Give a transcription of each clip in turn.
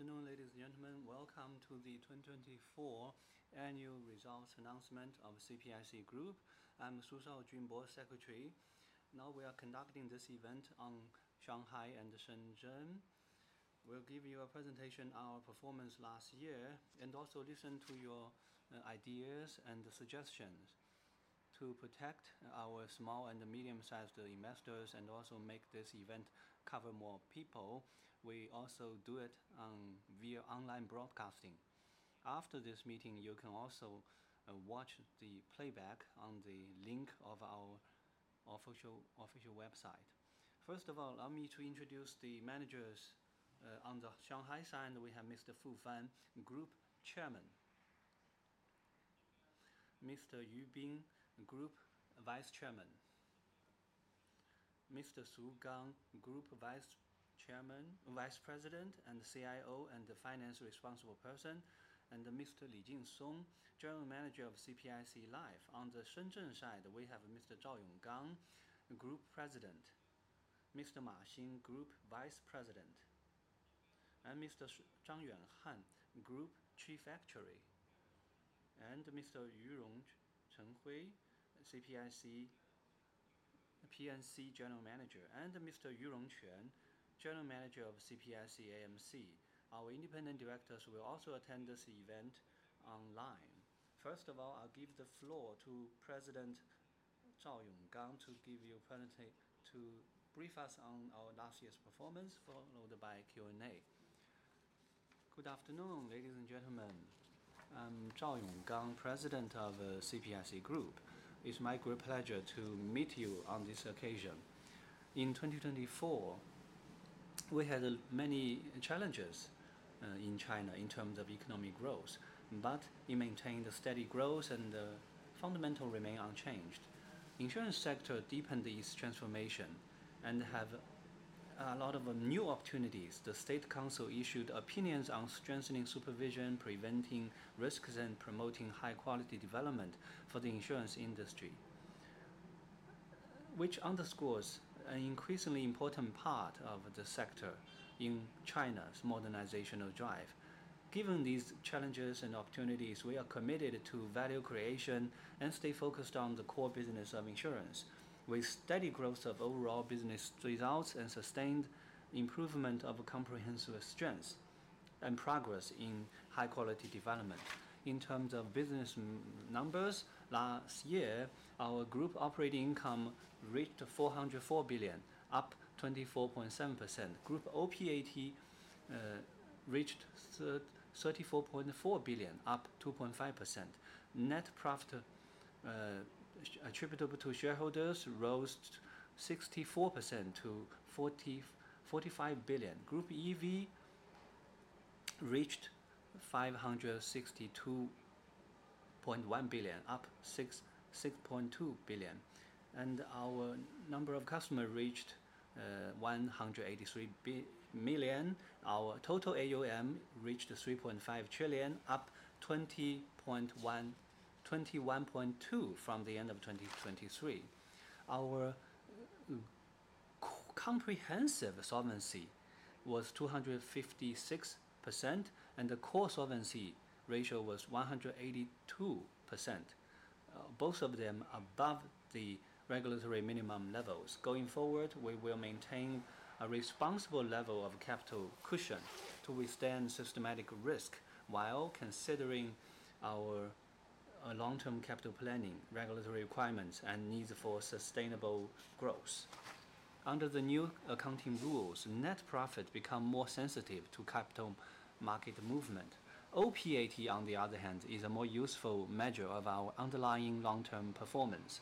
Good afternoon, ladies and gentlemen. Welcome to the 2024 annual results announcement of CPIC Group. I'm Su Shaojun, Board Secretary. Now we are conducting this event in Shanghai and Shenzhen. We'll give you a presentation on our performance last year and also listen to your ideas and suggestions. To protect our small and medium-sized investors and also make this event cover more people, we also do it via online broadcasting. After this meeting, you can also watch the playback on the link of our official website. First of all, allow me to introduce the managers. On the Shanghai side, we have Mr. Fu Fan, Group Chairman; Mr. Yu Bing, Group Vice Chairman; Mr. Su Gang, Group Vice President and CIO and Finance Responsible Person; and Mr. Li Jinsong, General Manager of CPIC Life. On the Shenzhen side, we have Mr. Zhao Yonggang, Group President; Mr. Ma Xin, Group Vice President, and Mr. Zhang Yuanhan, Group Chief Actuary, and Mr. Yurong Changwi, CPIC PNC General Manager, and Mr. Yu Rongchuan, General Manager of CPIC AMC. Our independent directors will also attend this event online. First of all, I'll give the floor to President Zhao Yonggang to give you a presentation to brief us on our last year's performance, followed by Q&A. Good afternoon, ladies and gentlemen. I'm Zhao Yonggang, President of CPIC Group. It's my great pleasure to meet you on this occasion. In 2024, we had many challenges in China in terms of economic growth, but it maintained steady growth, and the fundamentals remained unchanged. The insurance sector deepened its transformation and had a lot of new opportunities. The State Council issued opinions on strengthening supervision, preventing risks, and promoting high-quality development for the insurance industry, which underscores an increasingly important part of the sector in China's modernizational drive. Given these challenges and opportunities, we are committed to value creation and stay focused on the core business of insurance, with steady growth of overall business results and sustained improvement of comprehensive strengths and progress in high-quality development. In terms of business numbers, last year, our group operating income reached 404 billion, up 24.7%. Group OPAT reached 34.4 billion, up 2.5%. Net profit attributable to shareholders rose 64% to 45 billion. Group EV reached 562.1 billion, up 6.2 billion. Our number of customers reached 183 million. Our total AUM reached 3.5 trillion, up 21.2% from the end of 2023. Our comprehensive solvency was 256%, and the core solvency ratio was 182%, both of them above the regulatory minimum levels. Going forward, we will maintain a responsible level of capital cushion to withstand systematic risk while considering our long-term capital planning, regulatory requirements, and needs for sustainable growth. Under the new accounting rules, net profit becomes more sensitive to capital market movement. OPAT, on the other hand, is a more useful measure of our underlying long-term performance.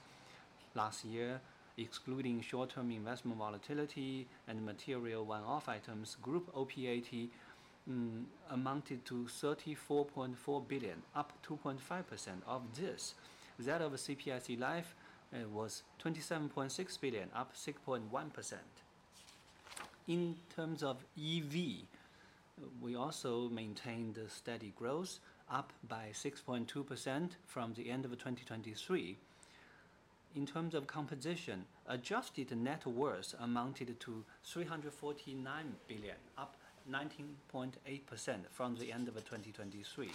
Last year, excluding short-term investment volatility and material one-off items, Group OPAT amounted to 34.4 billion, up 2.5%. Of this, that of CPIC Life was 27.6 billion, up 6.1%. In terms of EV, we also maintained steady growth, up by 6.2% from the end of 2023. In terms of composition, adjusted net worth amounted to 349 billion, up 19.8% from the end of 2023.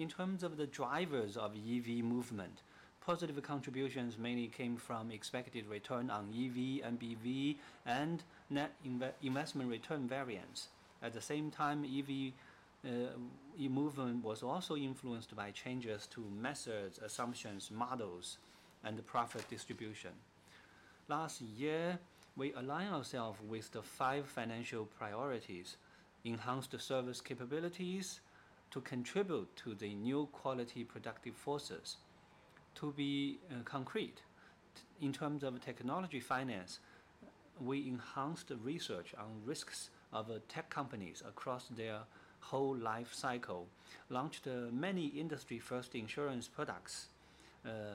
In terms of the drivers of EV movement, positive contributions mainly came from expected return on EV, MBV, and net investment return variance. At the same time, EV movement was also influenced by changes to methods, assumptions, models, and profit distribution. Last year, we aligned ourselves with the five financial priorities: enhanced service capabilities to contribute to the new quality productive forces. To be concrete, in terms of technology finance, we enhanced research on risks of tech companies across their whole life cycle, launched many industry-first insurance products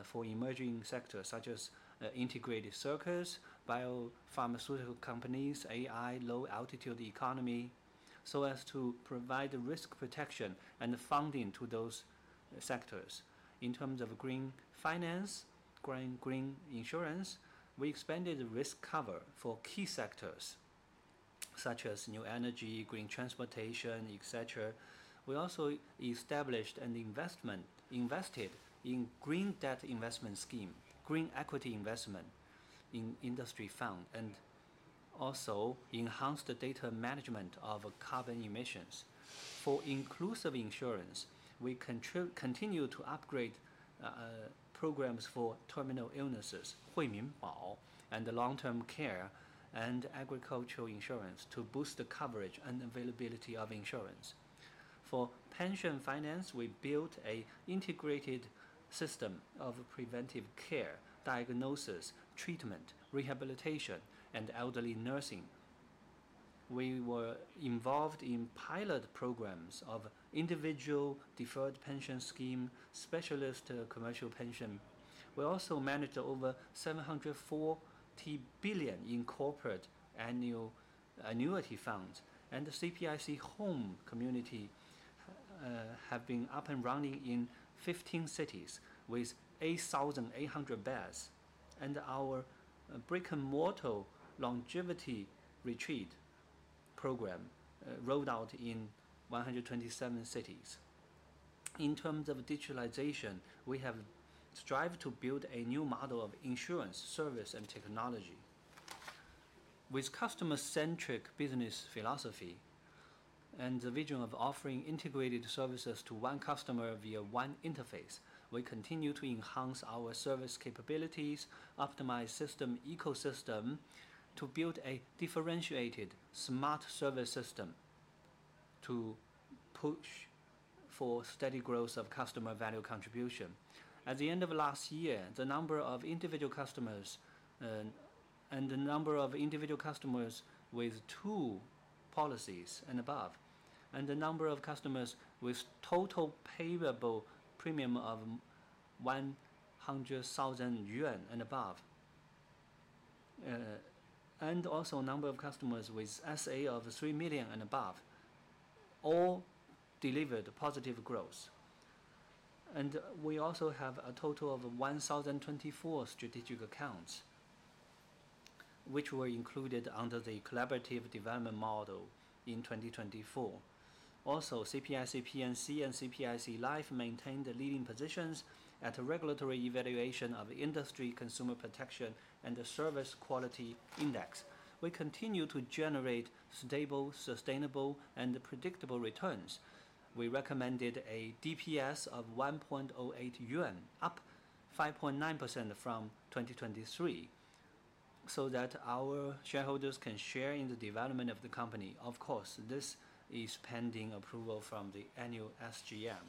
for emerging sectors such as integrated circuits, biopharmaceutical companies, AI, low altitude economy, so as to provide risk protection and funding to those sectors. In terms of green finance, green insurance, we expanded risk cover for key sectors such as new energy, green transportation, etc. We also established and invested in green debt investment schemes, green equity investment in industry funds, and also enhanced data management of carbon emissions. For inclusive insurance, we continue to upgrade programs for terminal illnesses, Huiminbao, and long-term care, and agricultural insurance to boost the coverage and availability of insurance. For pension finance, we built an integrated system of preventive care, diagnosis, treatment, rehabilitation, and elderly nursing. We were involved in pilot programs of individual deferred pension schemes, specialist commercial pensions. We also managed over 740 billion in corporate annuity funds, and the CPIC Home Community has been up and running in 15 cities with 8,800 beds. Our brick-and-mortar longevity retreat program rolled out in 127 cities. In terms of digitalization, we have strived to build a new model of insurance service and technology. With customer-centric business philosophy and the vision of offering integrated services to one customer via one interface, we continue to enhance our service capabilities, optimize system ecosystem to build a differentiated smart service system to push for steady growth of customer value contribution. At the end of last year, the number of individual customers and the number of individual customers with two policies and above, and the number of customers with total payable premium of 100,000 yuan and above, and also a number of customers with SA of 3 million and above, all delivered positive growth. We also have a total of 1,024 strategic accounts which were included under the collaborative development model in 2024. CPIC PNC and CPIC Life maintained leading positions at regulatory evaluation of industry consumer protection and service quality index. We continue to generate stable, sustainable, and predictable returns. We recommended a DPS of 1.08 yuan, up 5.9% from 2023, so that our shareholders can share in the development of the company. Of course, this is pending approval from the annual SGM.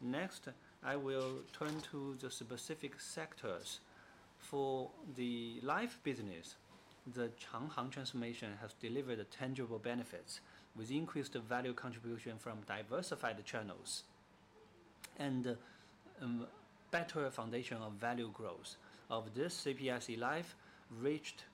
Next, I will turn to the specific sectors. For the life business, the Chang Hang transformation has delivered tangible benefits with increased value contribution from diversified channels and better foundation of value growth. Of this, CPIC Life reached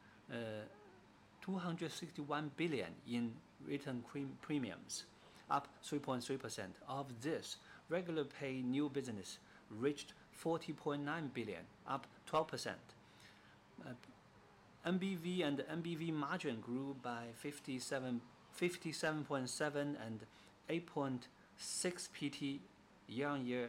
261 billion in written premiums, up 3.3%. Of this, regular pay new business reached 40.9 billion, up 12%. MBV and MBV margin grew by 57.7 billion and 8.6 PT year-on-year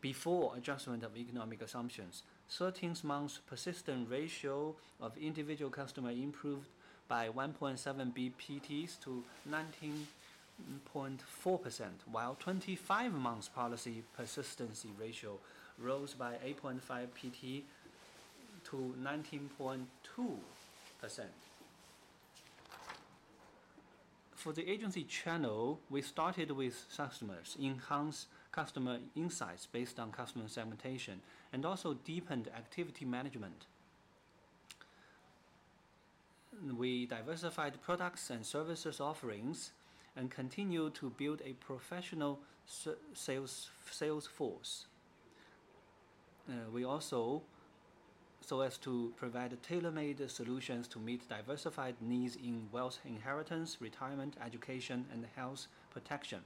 before adjustment of economic assumptions. 13 months persistent ratio of individual customer improved by 1.7 basis points to 19.4%, while 25 months policy persistency ratio rose by 8.5 PT to 19.2%. For the agency channel, we started with customers, enhanced customer insights based on customer segmentation, and also deepened activity management. We diversified products and services offerings and continued to build a professional sales force. We also, so as to provide tailor-made solutions to meet diversified needs in wealth inheritance, retirement, education, and health protection.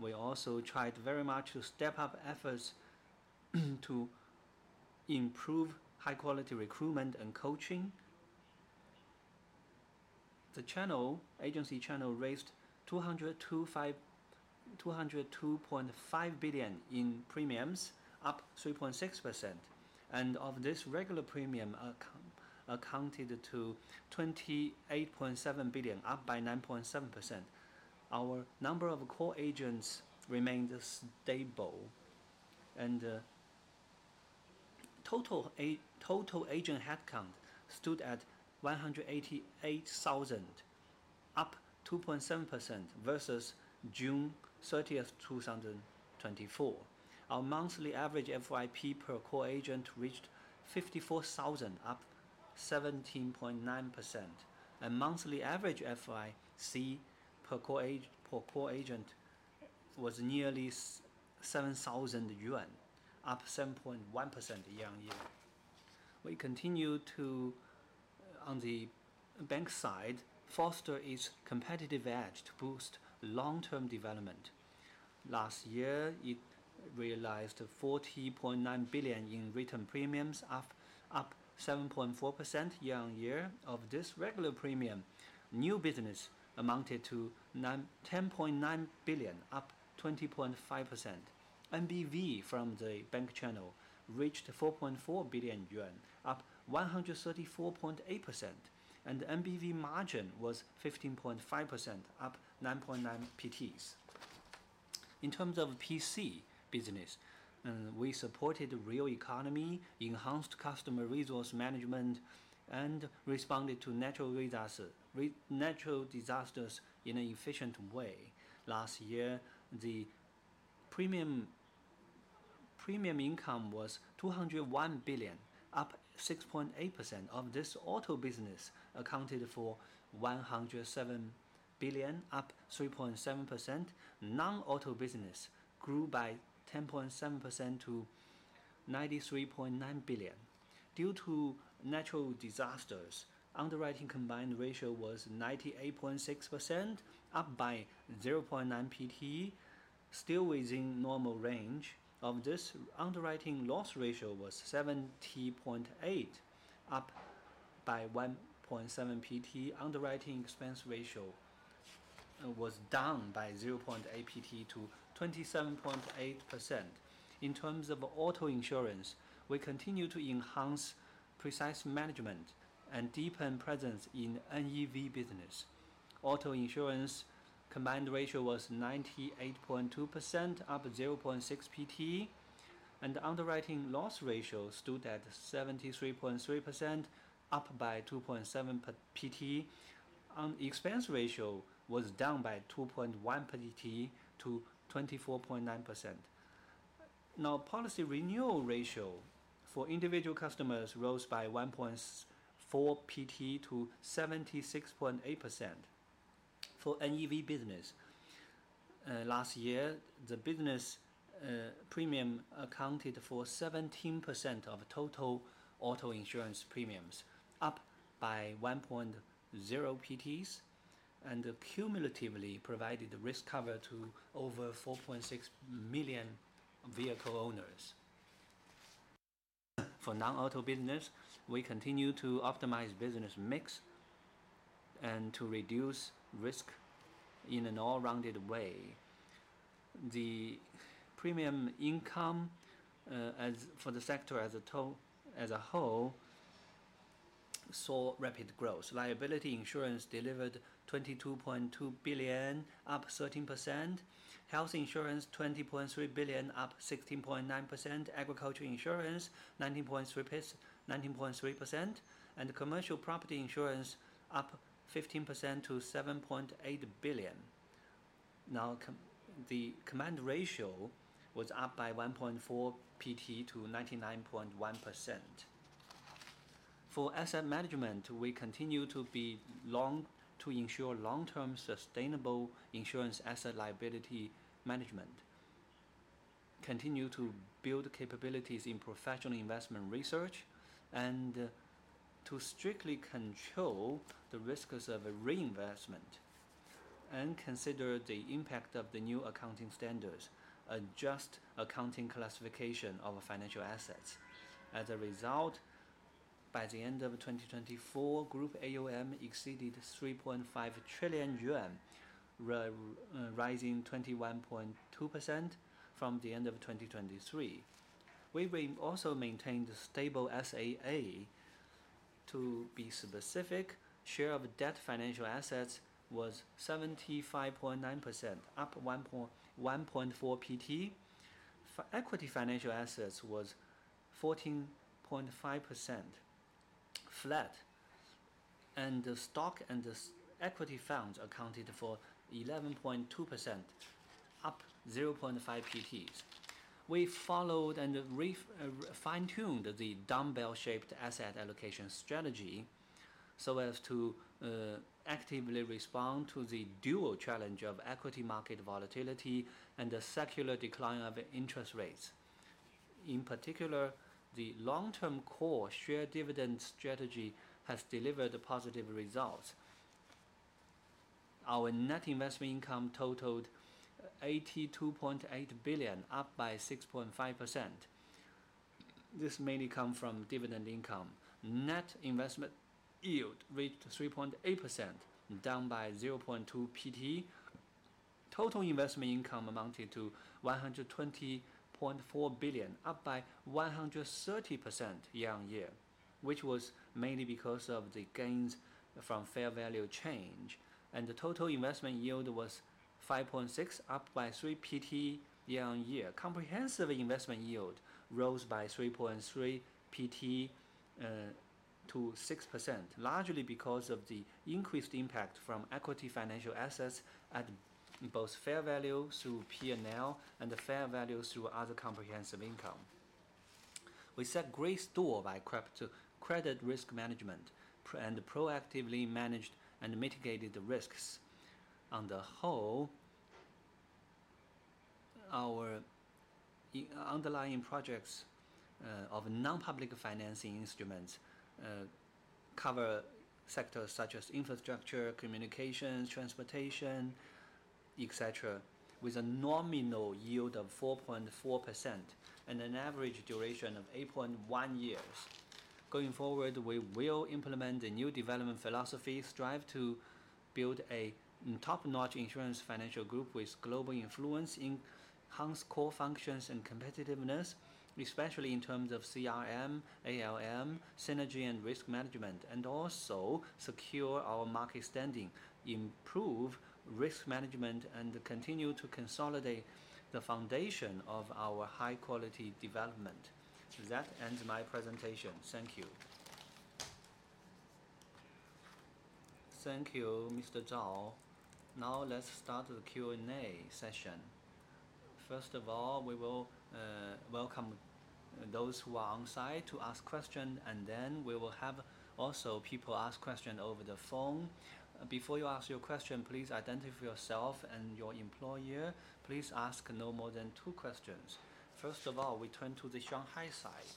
We also tried very much to step up efforts to improve high-quality recruitment and coaching. The agency channel raised 202.5 billion in premiums, up 3.6%. Of this, regular premium accounted for 28.7 billion, up by 9.7%. Our number of core agents remained stable, and total agent headcount stood at 188,000, up 2.7% versus June 30th, 2024. Our monthly average FYP per core agent reached 54,000, up 17.9%. Monthly average FYC per core agent was nearly 7,000 yuan, up 7.1% year-on-year. We continue to, on the bank side, foster its competitive edge to boost long-term development. Last year, it realized 40.9 billion in written premiums, up 7.4% year-on-year. Of this, regular premium new business amounted to 10.9 billion, up 20.5%. MBV from the bank channel reached 4.4 billion yuan, up 134.8%. MBV margin was 15.5%, up 9.9 PT. In terms of P&C business, we supported the real economy, enhanced customer resource management, and responded to natural disasters in an efficient way. Last year, the premium income was 201 billion, up 6.8%. Of this, auto business accounted for 107 billion, up 3.7%. Non-auto business grew by 10.7% to 93.9 billion. Due to natural disasters, underwriting combined ratio was 98.6%, up by 0.9 PT, still within normal range. Of this, underwriting loss ratio was 70.8%, up by 1.7 PT. Underwriting expense ratio was down by 0.8 PT to 27.8%. In terms of auto insurance, we continue to enhance precise management and deepen presence in NEV business. Auto insurance combined ratio was 98.2%, up 0.6 PT. Underwriting loss ratio stood at 73.3%, up by 2.7PT. Expense ratio was down by 2.1 PT to 24.9%. Policy renewal ratio for individual customers rose by 1.4 PT to 76.8%. For NEV business, last year, the business premium accounted for 17% of total auto insurance premiums, up by 1.0 PTs, and cumulatively provided risk cover to over 4.6 million vehicle owners. For non-auto business, we continue to optimize business mix and to reduce risk in an all-rounded way. The premium income for the sector as a whole saw rapid growth. Liability insurance delivered 22.2 billion, up 13%. Health insurance, 20.3 billion, up 16.9%. Agricultural insurance, 19.3%. Commercial property insurance, up 15% to 7.8 billion. The combined ratio was up by 1.4 PT to 99.1%. For asset management, we continue to ensure long-term sustainable insurance asset liability management, continue to build capabilities in professional investment research, and to strictly control the risks of reinvestment, and consider the impact of the new accounting standards, adjust accounting classification of financial assets. As a result, by the end of 2024, Group AOM exceeded 3.5 trillion yuan, rising 21.2% from the end of 2023. We also maintained stable SAA. To be specific, share of debt financial assets was 75.9%, up 1.4 PT. Equity financial assets was 14.5%, flat. Stock and equity funds accounted for 11.2%, up 0.5 PTs. We followed and fine-tuned the dumbbell-shaped asset allocation strategy so as to actively respond to the dual challenge of equity market volatility and the secular decline of interest rates. In particular, the long-term core share dividend strategy has delivered positive results. Our net investment income totaled 82.8 billion, up by 6.5%. This mainly comes from dividend income. Net investment yield reached 3.8%, down by 0.2 percentage points. Total investment income amounted to 120.4 billion, up by 130% year-on-year, which was mainly because of the gains from fair value change. The total investment yield was 5.6%, up by 3 PT year-on-year. Comprehensive investment yield rose by 3.3 PT to 6%, largely because of the increased impact from equity financial assets at both fair value through P&L and fair value through other comprehensive income. We set great store by credit risk management and proactively managed and mitigated the risks. On the whole, our underlying projects of non-public financing instruments cover sectors such as infrastructure, communications, transportation, etc., with a nominal yield of 4.4% and an average duration of 8.1 years. Going forward, we will implement the new development philosophy, strive to build a top-notch insurance financial group with global influence, enhance core functions and competitiveness, especially in terms of CRM, ALM, synergy, and risk management, and also secure our market standing, improve risk management, and continue to consolidate the foundation of our high-quality development. That ends my presentation. Thank you. Thank you, Mr. Zhao. Now let's start the Q&A session. First of all, we will welcome those who are on site to ask questions, and then we will have also people ask questions over the phone. Before you ask your question, please identify yourself and your employer. Please ask no more than two questions. First of all, we turn to the Shanghai side.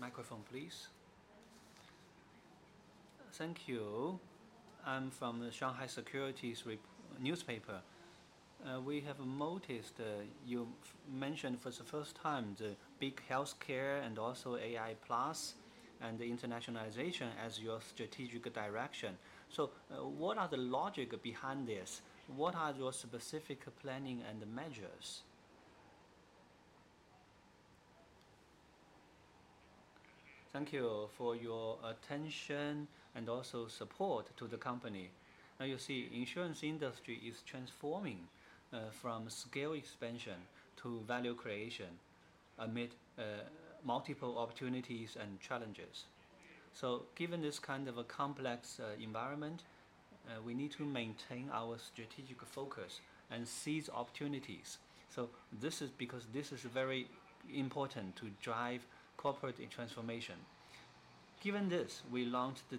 Microphone, please. Thank you. I'm from Shanghai Securities Newspaper. We have noticed you mentioned for the first time the big healthcare and also AI plus and the internationalization as your strategic direction. What are the logic behind this? What are your specific planning and measures? Thank you for your attention and also support to the company. Now you see the insurance industry is transforming from scale expansion to value creation amid multiple opportunities and challenges. Given this kind of a complex environment, we need to maintain our strategic focus and seize opportunities. This is because this is very important to drive corporate transformation. Given this, we launched the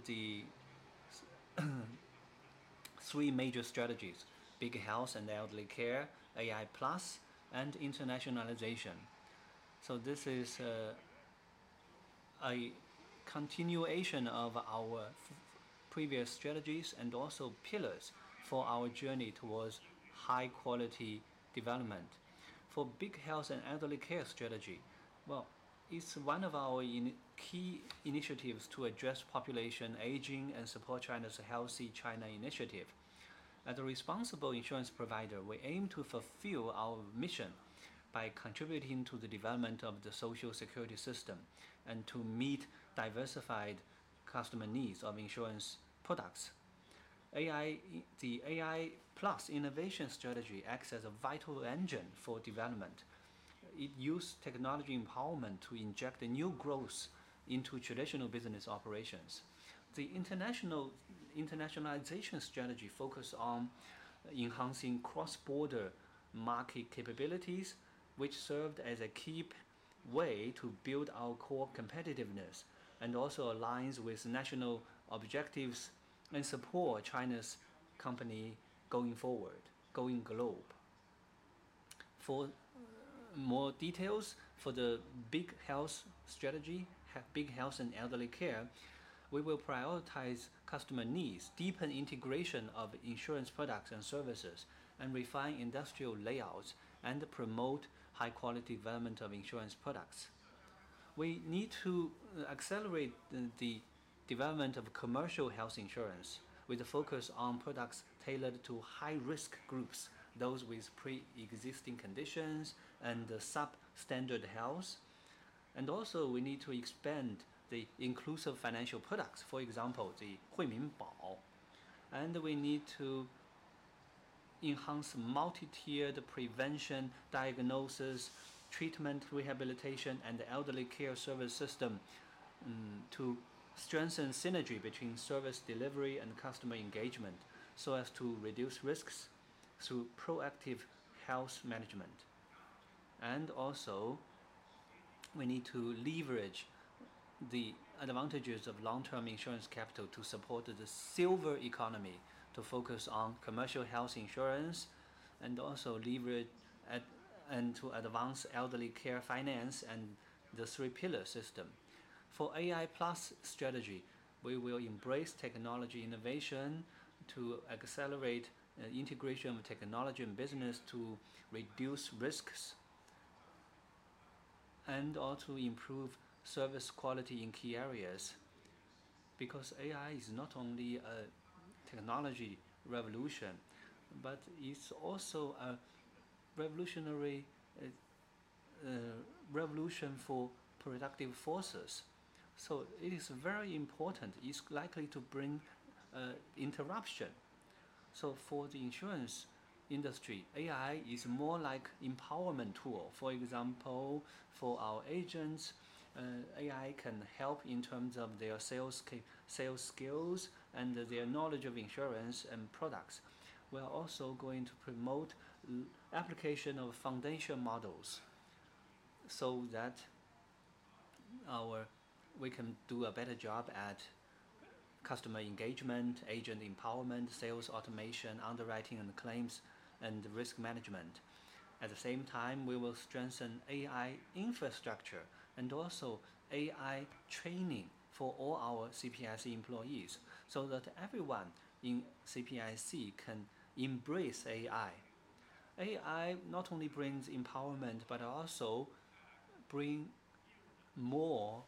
three major strategies: big health and elderly care, AI plus, and internationalization. This is a continuation of our previous strategies and also pillars for our journey towards high-quality development. For big health and elderly care strategy, it's one of our key initiatives to address population aging and support China's Healthy China Initiative. As a responsible insurance provider, we aim to fulfill our mission by contributing to the development of the social security system and to meet diversified customer needs of insurance products. The AI plus innovation strategy acts as a vital engine for development. It uses technology empowerment to inject new growth into traditional business operations. The internationalization strategy focuses on enhancing cross-border market capabilities, which served as a key way to build our core competitiveness and also aligns with national objectives and supports China's company going forward, going globe. For more details for the big health strategy, big health and elderly care, we will prioritize customer needs, deepen integration of insurance products and services, and refine industrial layouts and promote high-quality development of insurance products. We need to accelerate the development of commercial health insurance with a focus on products tailored to high-risk groups, those with pre-existing conditions and substandard health. We need to expand the inclusive financial products, for example, the Huiminbao. We need to enhance multi-tiered prevention, diagnosis, treatment, rehabilitation, and elderly care service system to strengthen synergy between service delivery and customer engagement so as to reduce risks through proactive health management. We need to leverage the advantages of long-term insurance capital to support the silver economy, to focus on commercial health insurance and also leverage and to advance elderly care finance and the three-pillar system. For AI plus strategy, we will embrace technology innovation to accelerate integration of technology and business to reduce risks and also improve service quality in key areas because AI is not only a technology revolution, but it's also a revolutionary revolution for productive forces. It is very important. It's likely to bring interruption. For the insurance industry, AI is more like an empowerment tool. For example, for our agents, AI can help in terms of their sales skills and their knowledge of insurance and products. We are also going to promote the application of foundation models so that we can do a better job at customer engagement, agent empowerment, sales automation, underwriting and claims, and risk management. At the same time, we will strengthen AI infrastructure and also AI training for all our CPIC employees so that everyone in CPIC can embrace AI. AI not only brings empowerment, but also brings more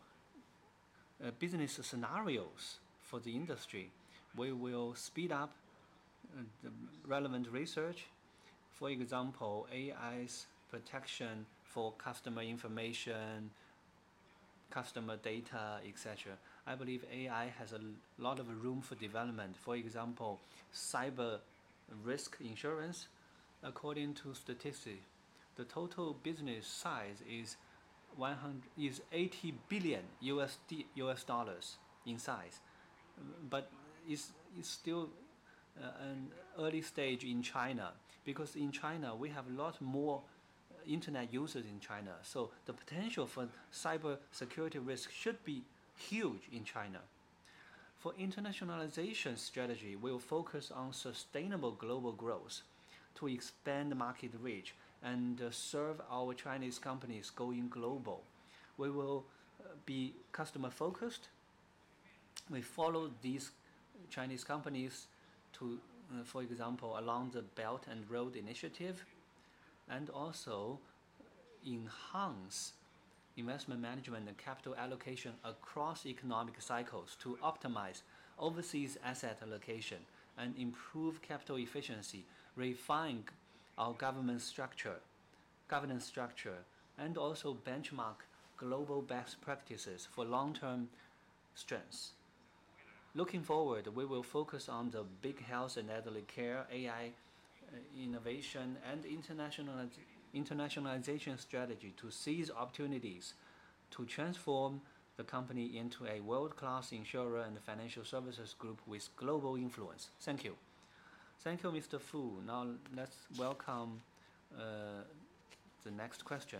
business scenarios for the industry. We will speed up relevant research. For example, AI's protection for customer information, customer data, etc. I believe AI has a lot of room for development. For example, cyber risk insurance. According to statistics, the total business size is $80 billion in size, but it's still an early stage in China because in China, we have a lot more internet users in China. The potential for cyber security risk should be huge in China. For internationalization strategy, we will focus on sustainable global growth to expand market reach and serve our Chinese companies going global. We will be customer-focused. We follow these Chinese companies to, for example, along the Belt and Road Initiative and also enhance investment management and capital allocation across economic cycles to optimize overseas asset allocation and improve capital efficiency, refine our governance structure, and also benchmark global best practices for long-term strengths. Looking forward, we will focus on the big health and elderly care, AI innovation, and internationalization strategy to seize opportunities to transform the company into a world-class insurer and financial services group with global influence. Thank you. Thank you, Mr. Fu. Now let's welcome the next question.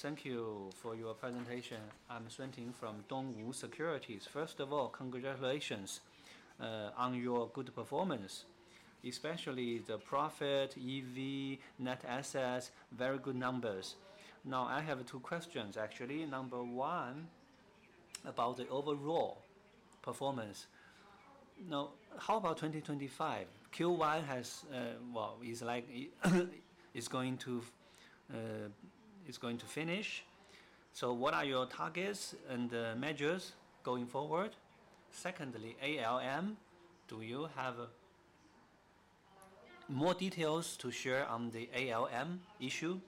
Thank you for your presentation. I'm Xuanting from Dongwu Securities. First of all, congratulations on your good performance, especially the profit, EV, net assets, very good numbers. Now, I have two questions, actually. Number one, about the overall performance. Now, how about 2025? Q1 is going to finish. What are your targets and measures going forward? Secondly, ALM, do you have more details to share on the ALM issue?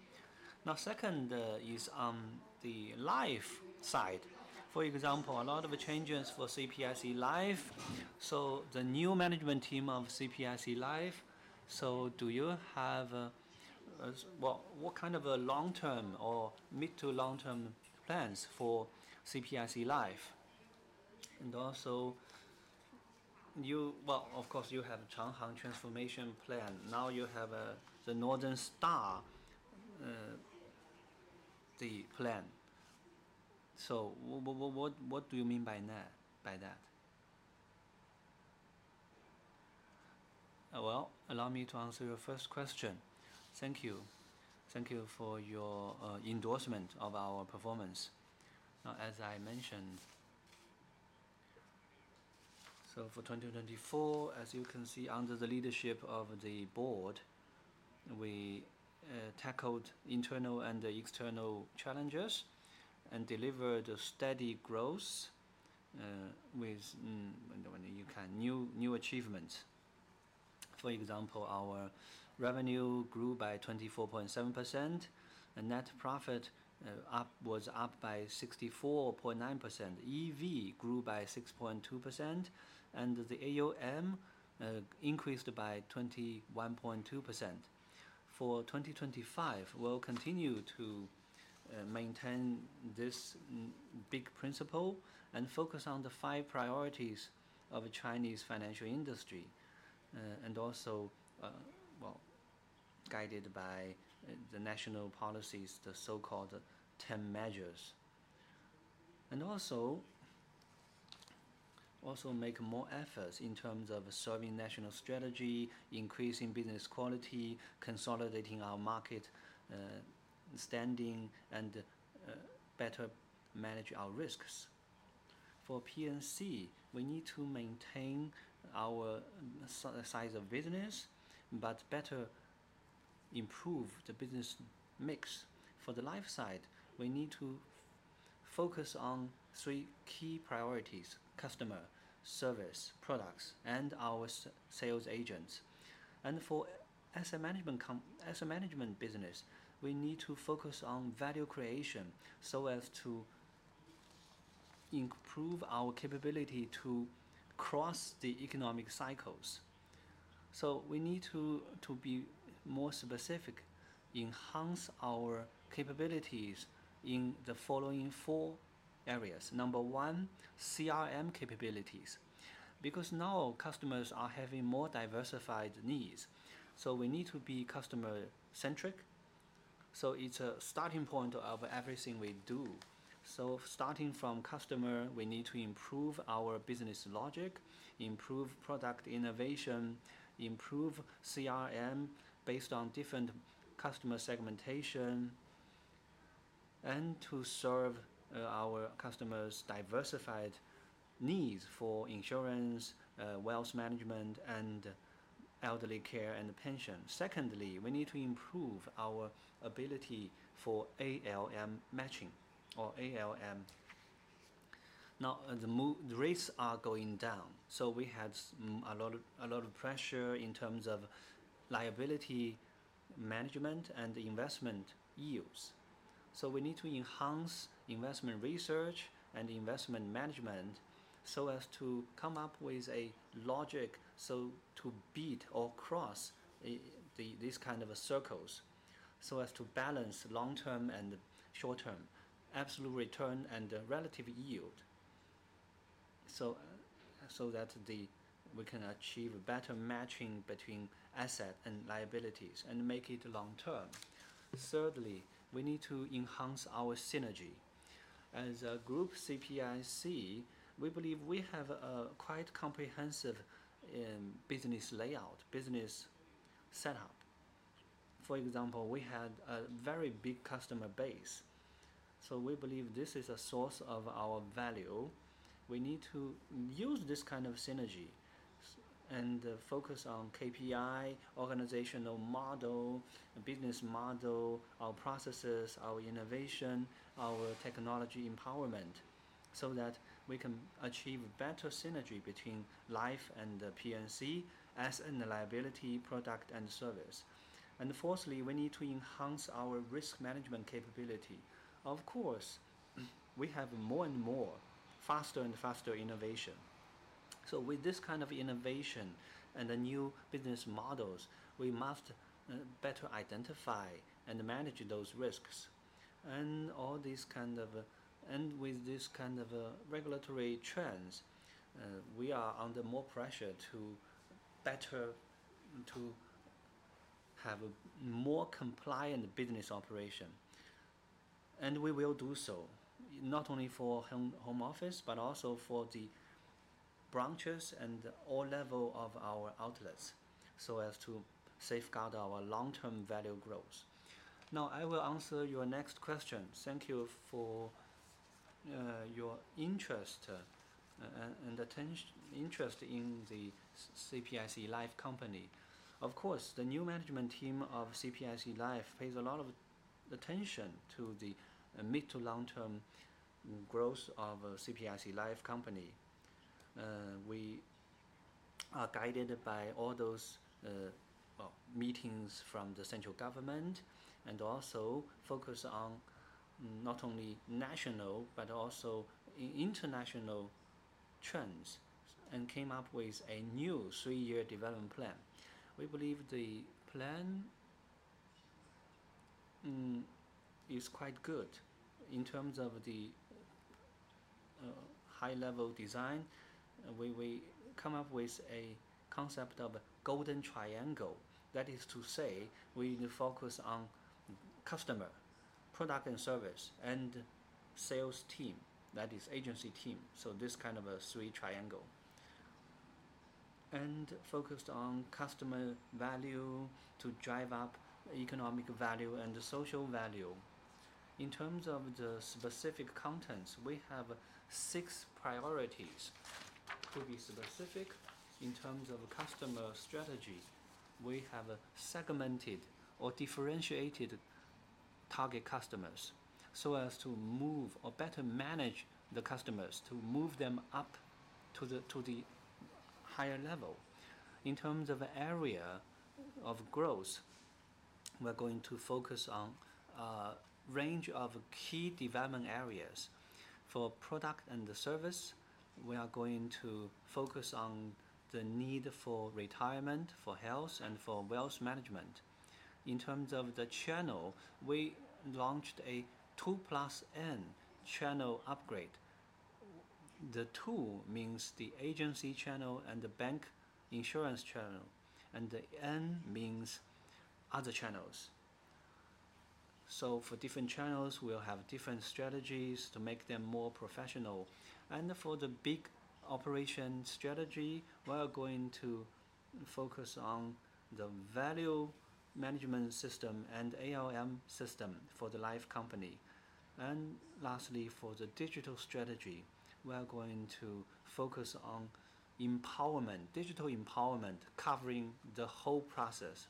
Now, second is on the life side. For example, a lot of changes for CPIC Life. The new management team of CPIC Life. Do you have what kind of a long-term or mid-to-long-term plans for CPIC Life? Also, of course, you have a Changhang transformation plan. Now you have the Northern Star plan. What do you mean by that? Allow me to answer your first question. Thank you. Thank you for your endorsement of our performance. As I mentioned, for 2024, as you can see, under the leadership of the board, we tackled internal and external challenges and delivered steady growth with new achievements. For example, our revenue grew by 24.7%, net profit was up by 64.9%, EV grew by 6.2%, and the AOM increased by 21.2%. For 2025, we will continue to maintain this big principle and focus on the five priorities of the Chinese financial industry and also, guided by the national policies, the so-called 10 measures. Also, make more efforts in terms of serving national strategy, increasing business quality, consolidating our market standing, and better manage our risks. For P&C, we need to maintain our size of business, but better improve the business mix. For the life side, we need to focus on three key priorities: customer, service, products, and our sales agents. For asset management business, we need to focus on value creation so as to improve our capability to cross the economic cycles. We need to be more specific, enhance our capabilities in the following four areas. Number one, CRM capabilities, because now customers are having more diversified needs. We need to be customer-centric. It is a starting point of everything we do. Starting from customer, we need to improve our business logic, improve product innovation, improve CRM based on different customer segmentation, and to serve our customers' diversified needs for insurance, wealth management, and elderly care and pension. Secondly, we need to improve our ability for ALM matching or ALM. Now, the rates are going down. We had a lot of pressure in terms of liability management and investment yields. We need to enhance investment research and investment management so as to come up with a logic to beat or cross these kinds of circles so as to balance long-term and short-term absolute return and relative yield so that we can achieve better matching between asset and liabilities and make it long-term. Thirdly, we need to enhance our synergy. As a group, CPIC, we believe we have a quite comprehensive business layout, business setup. For example, we had a very big customer base. We believe this is a source of our value. We need to use this kind of synergy and focus on KPI, organizational model, business model, our processes, our innovation, our technology empowerment so that we can achieve better synergy between life and P&C as in liability, product, and service. Fourthly, we need to enhance our risk management capability. Of course, we have more and more faster and faster innovation. With this kind of innovation and the new business models, we must better identify and manage those risks. With this kind of regulatory trends, we are under more pressure to have a more compliant business operation. We will do so not only for home office, but also for the branches and all levels of our outlets so as to safeguard our long-term value growth. Now, I will answer your next question. Thank you for your interest and interest in the CPIC Life company. Of course, the new management team of CPIC Life pays a lot of attention to the mid-to-long-term growth of CPIC Life company. We are guided by all those meetings from the central government and also focus on not only national, but also international trends and came up with a new three-year development plan. We believe the plan is quite good in terms of the high-level design. We come up with a concept of golden triangle. That is to say, we need to focus on customer, product, and service, and sales team. That is agency team. This kind of a three-triangle and focused on customer value to drive up economic value and social value. In terms of the specific contents, we have six priorities. To be specific, in terms of customer strategy, we have segmented or differentiated target customers so as to move or better manage the customers to move them up to the higher level. In terms of area of growth, we're going to focus on a range of key development areas. For product and service, we are going to focus on the need for retirement, for health, and for wealth management. In terms of the channel, we launched a 2 plus N channel upgrade. The 2 means the agency channel and the bank insurance channel, and the N means other channels. For different channels, we'll have different strategies to make them more professional. For the big operation strategy, we're going to focus on the value management system and ALM system for the life company. Lastly, for the digital strategy, we're going to focus on digital empowerment, covering the whole process.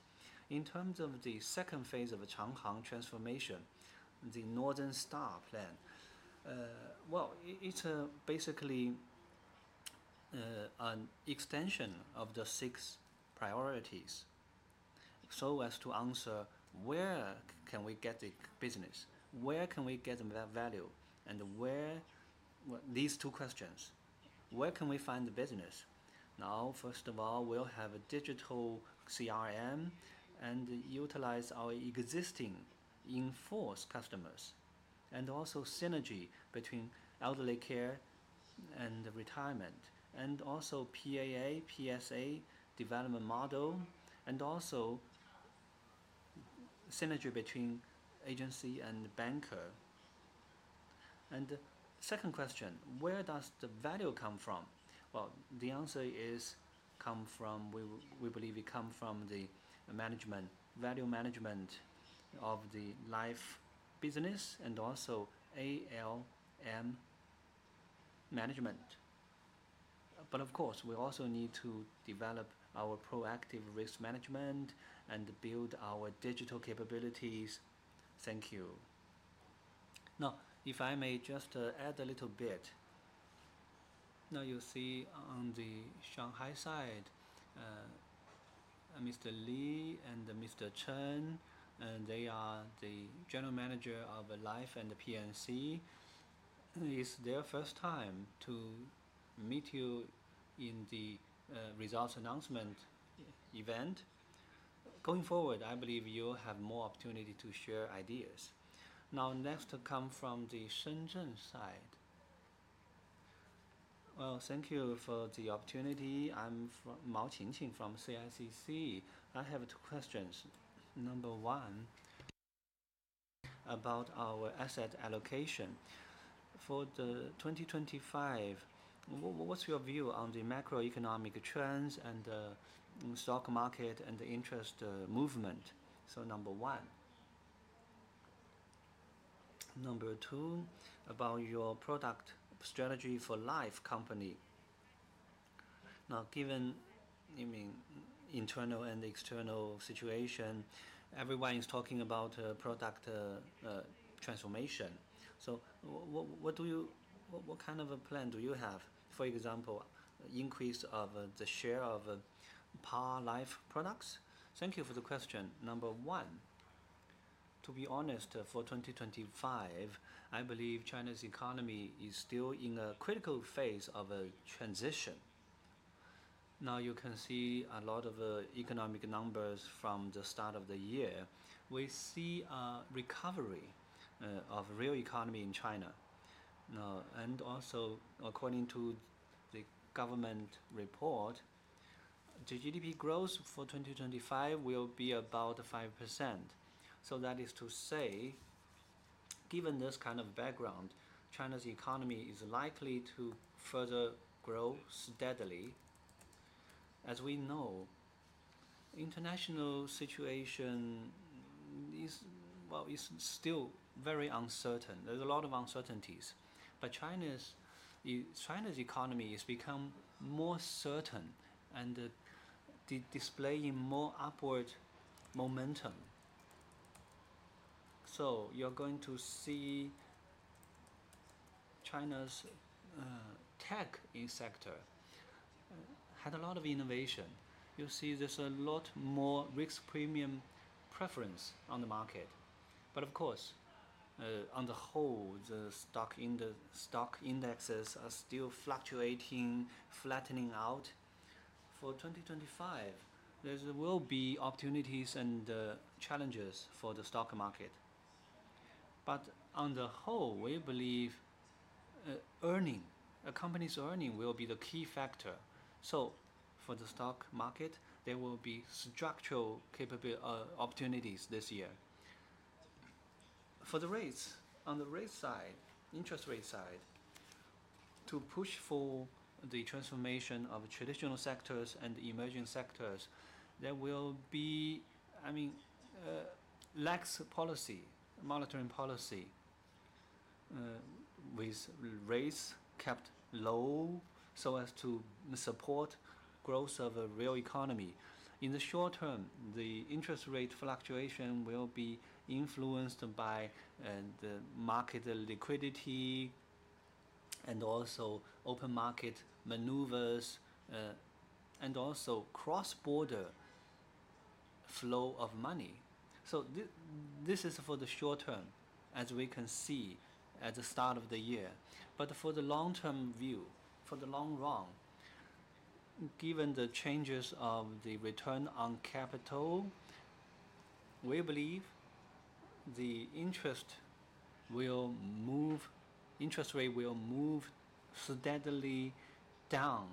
In terms of the second phase of Changhang transformation, the Northern Star plan, it is basically an extension of the six priorities so as to answer where can we get the business, where can we get that value, and these two questions, where can we find the business? First of all, we will have a digital CRM and utilize our existing enforced customers and also synergy between elderly care and retirement and also PAA, PSA development model and also synergy between agency and banker. The second question, where does the value come from? The answer is, we believe it comes from the value management of the life business and also ALM management. Of course, we also need to develop our proactive risk management and build our digital capabilities. Thank you. Now, if I may just add a little bit, now you'll see on the Shanghai side, Mr. Li and Mr. Chen, they are the General Manager of Life and P&C. It's their first time to meet you in the results announcement event. Going forward, I believe you'll have more opportunity to share ideas. Next come from the Shenzhen side. Thank you for the opportunity. I'm Mao Qingqing from CICC. I have two questions. Number one, about our asset allocation. For 2025, what's your view on the macroeconomic trends and the stock market and the interest movement? Number one. Number two, about your product strategy for life company. Now, given internal and external situation, everyone is talking about product transformation. What kind of a plan do you have? For example, increase of the share of PA life products? Thank you for the question. Number one, to be honest, for 2025, I believe China's economy is still in a critical phase of a transition. Now, you can see a lot of economic numbers from the start of the year. We see a recovery of real economy in China. Also, according to the government report, the GDP growth for 2025 will be about 5%. That is to say, given this kind of background, China's economy is likely to further grow steadily. As we know, international situation is still very uncertain. There are a lot of uncertainties. China's economy has become more certain and displaying more upward momentum. You are going to see China's tech sector had a lot of innovation. You will see there is a lot more risk premium preference on the market. Of course, on the whole, the stock indexes are still fluctuating, flattening out. For 2025, there will be opportunities and challenges for the stock market. On the whole, we believe a company's earning will be the key factor. For the stock market, there will be structural opportunities this year. On the rate side, interest rate side, to push for the transformation of traditional sectors and emerging sectors, there will be, I mean, lax policy, monitoring policy with rates kept low so as to support growth of a real economy. In the short term, the interest rate fluctuation will be influenced by the market liquidity and also open market maneuvers and also cross-border flow of money. This is for the short term, as we can see at the start of the year. For the long-term view, for the long run, given the changes of the return on capital, we believe the interest rate will move steadily down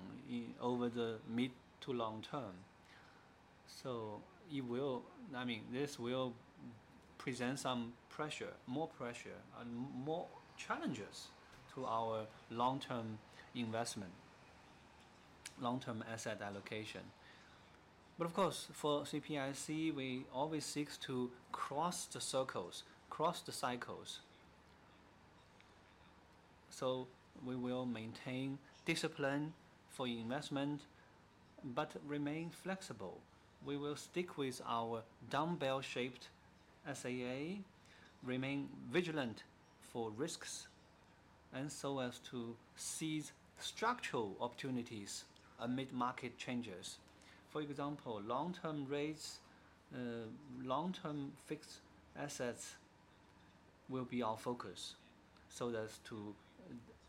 over the mid to long term. I mean, this will present some pressure, more pressure, and more challenges to our long-term investment, long-term asset allocation. Of course, for CPIC, we always seek to cross the circles, cross the cycles. We will maintain discipline for investment but remain flexible. We will stick with our dumbbell-shaped SAA, remain vigilant for risks so as to seize structural opportunities amid market changes. For example, long-term rates, long-term fixed assets will be our focus so as to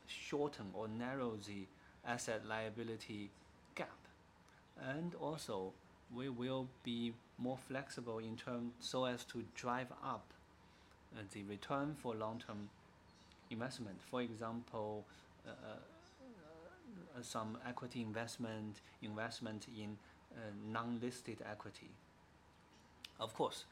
shorten or narrow the asset liability gap. Also, we will be more flexible in terms so as to drive up the return for long-term investment. For example, some equity investment, investment in non-listed equity. Of course,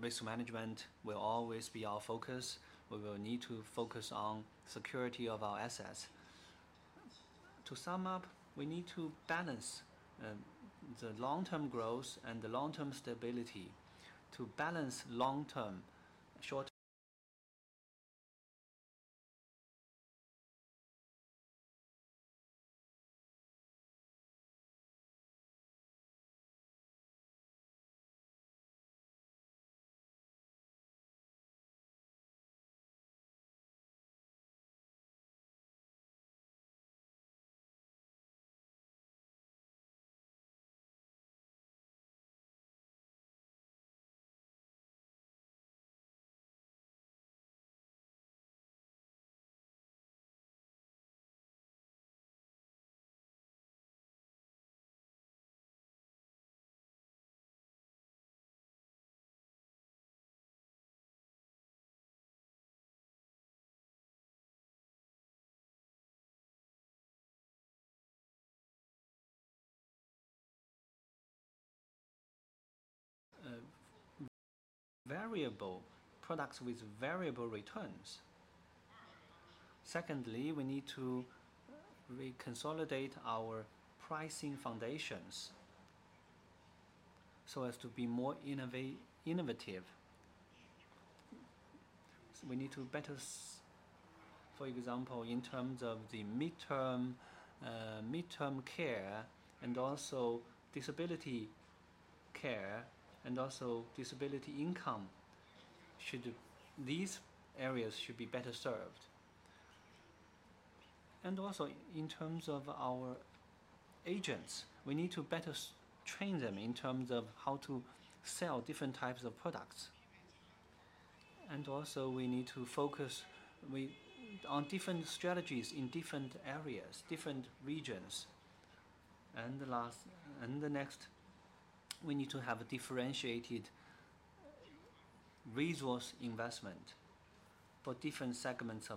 risk management will always be our focus. We will need to focus on security of our assets. To sum up, we need to balance the long-term growth and the long-term stability to balance short-term and. Variable products with variable returns. Secondly, we need to reconsolidate our pricing foundations so as to be more innovative. We need to better, for example, in terms of the mid-term care and also disability care and also disability income, these areas should be better served. Also, in terms of our agents, we need to better train them in terms of how to sell different types of products. We need to focus on different strategies in different areas, different regions. Next, we need to have differentiated resource investment for different segments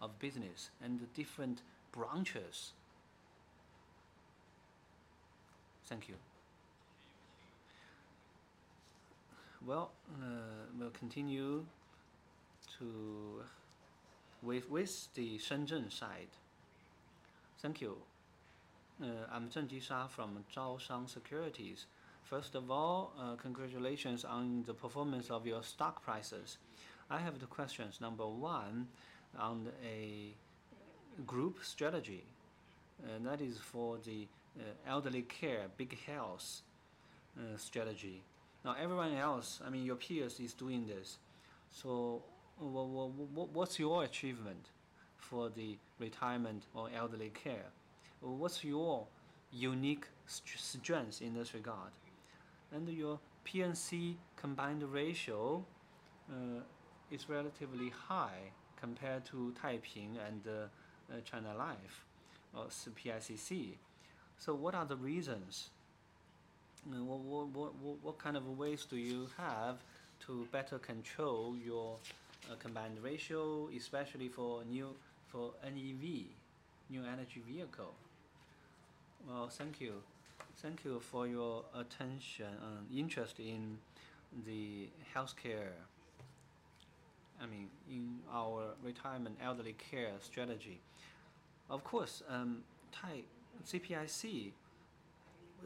of business and different branches. Thank you. We will continue with the Shenzhen side. Thank you. I'm Zheng Jishan from Zhaoshan Securities. First of all, congratulations on the performance of your stock prices. I have two questions. Number one, on a group strategy. That is for the elderly care, big health strategy. Now, everyone else, I mean, your peers is doing this. What's your achievement for the retirement or elderly care? What's your unique strengths in this regard? And your P&C combined ratio is relatively high compared to Taiping and China Life or CPICC. What are the reasons? What kind of ways do you have to better control your combined ratio, especially for NEV, new energy vehicle? Thank you. Thank you for your attention and interest in the healthcare, I mean, in our retirement elderly care strategy. Of course, CPIC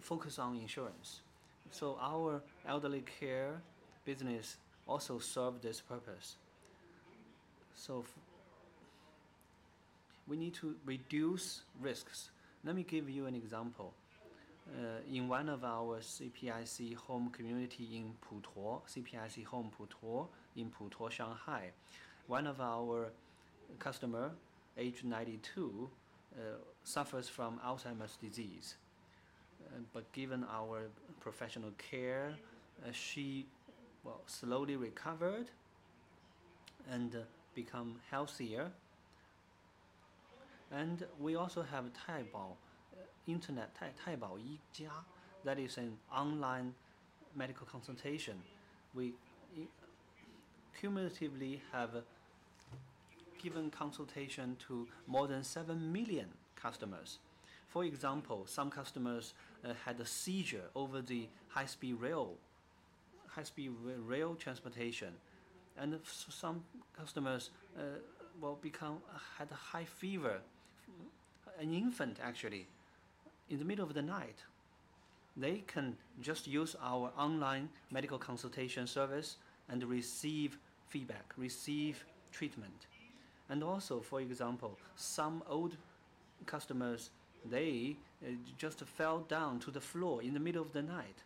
focuses on insurance. Our elderly care business also serves this purpose. We need to reduce risks. Let me give you an example. In one of our CPIC Home Community in Putuo, CPIC Home Putuo, in Putuo, Shanghai, one of our customers, age 92, suffers from Alzheimer's disease. Given our professional care, she slowly recovered and became healthier. We also have Taobao Yijia. That is an online medical consultation. We cumulatively have given consultation to more than 7 million customers. For example, some customers had a seizure over the high-speed rail transportation. Some customers had a high fever, an infant actually, in the middle of the night. They can just use our online medical consultation service and receive feedback, receive treatment. Also, for example, some old customers, they just fell down to the floor in the middle of the night.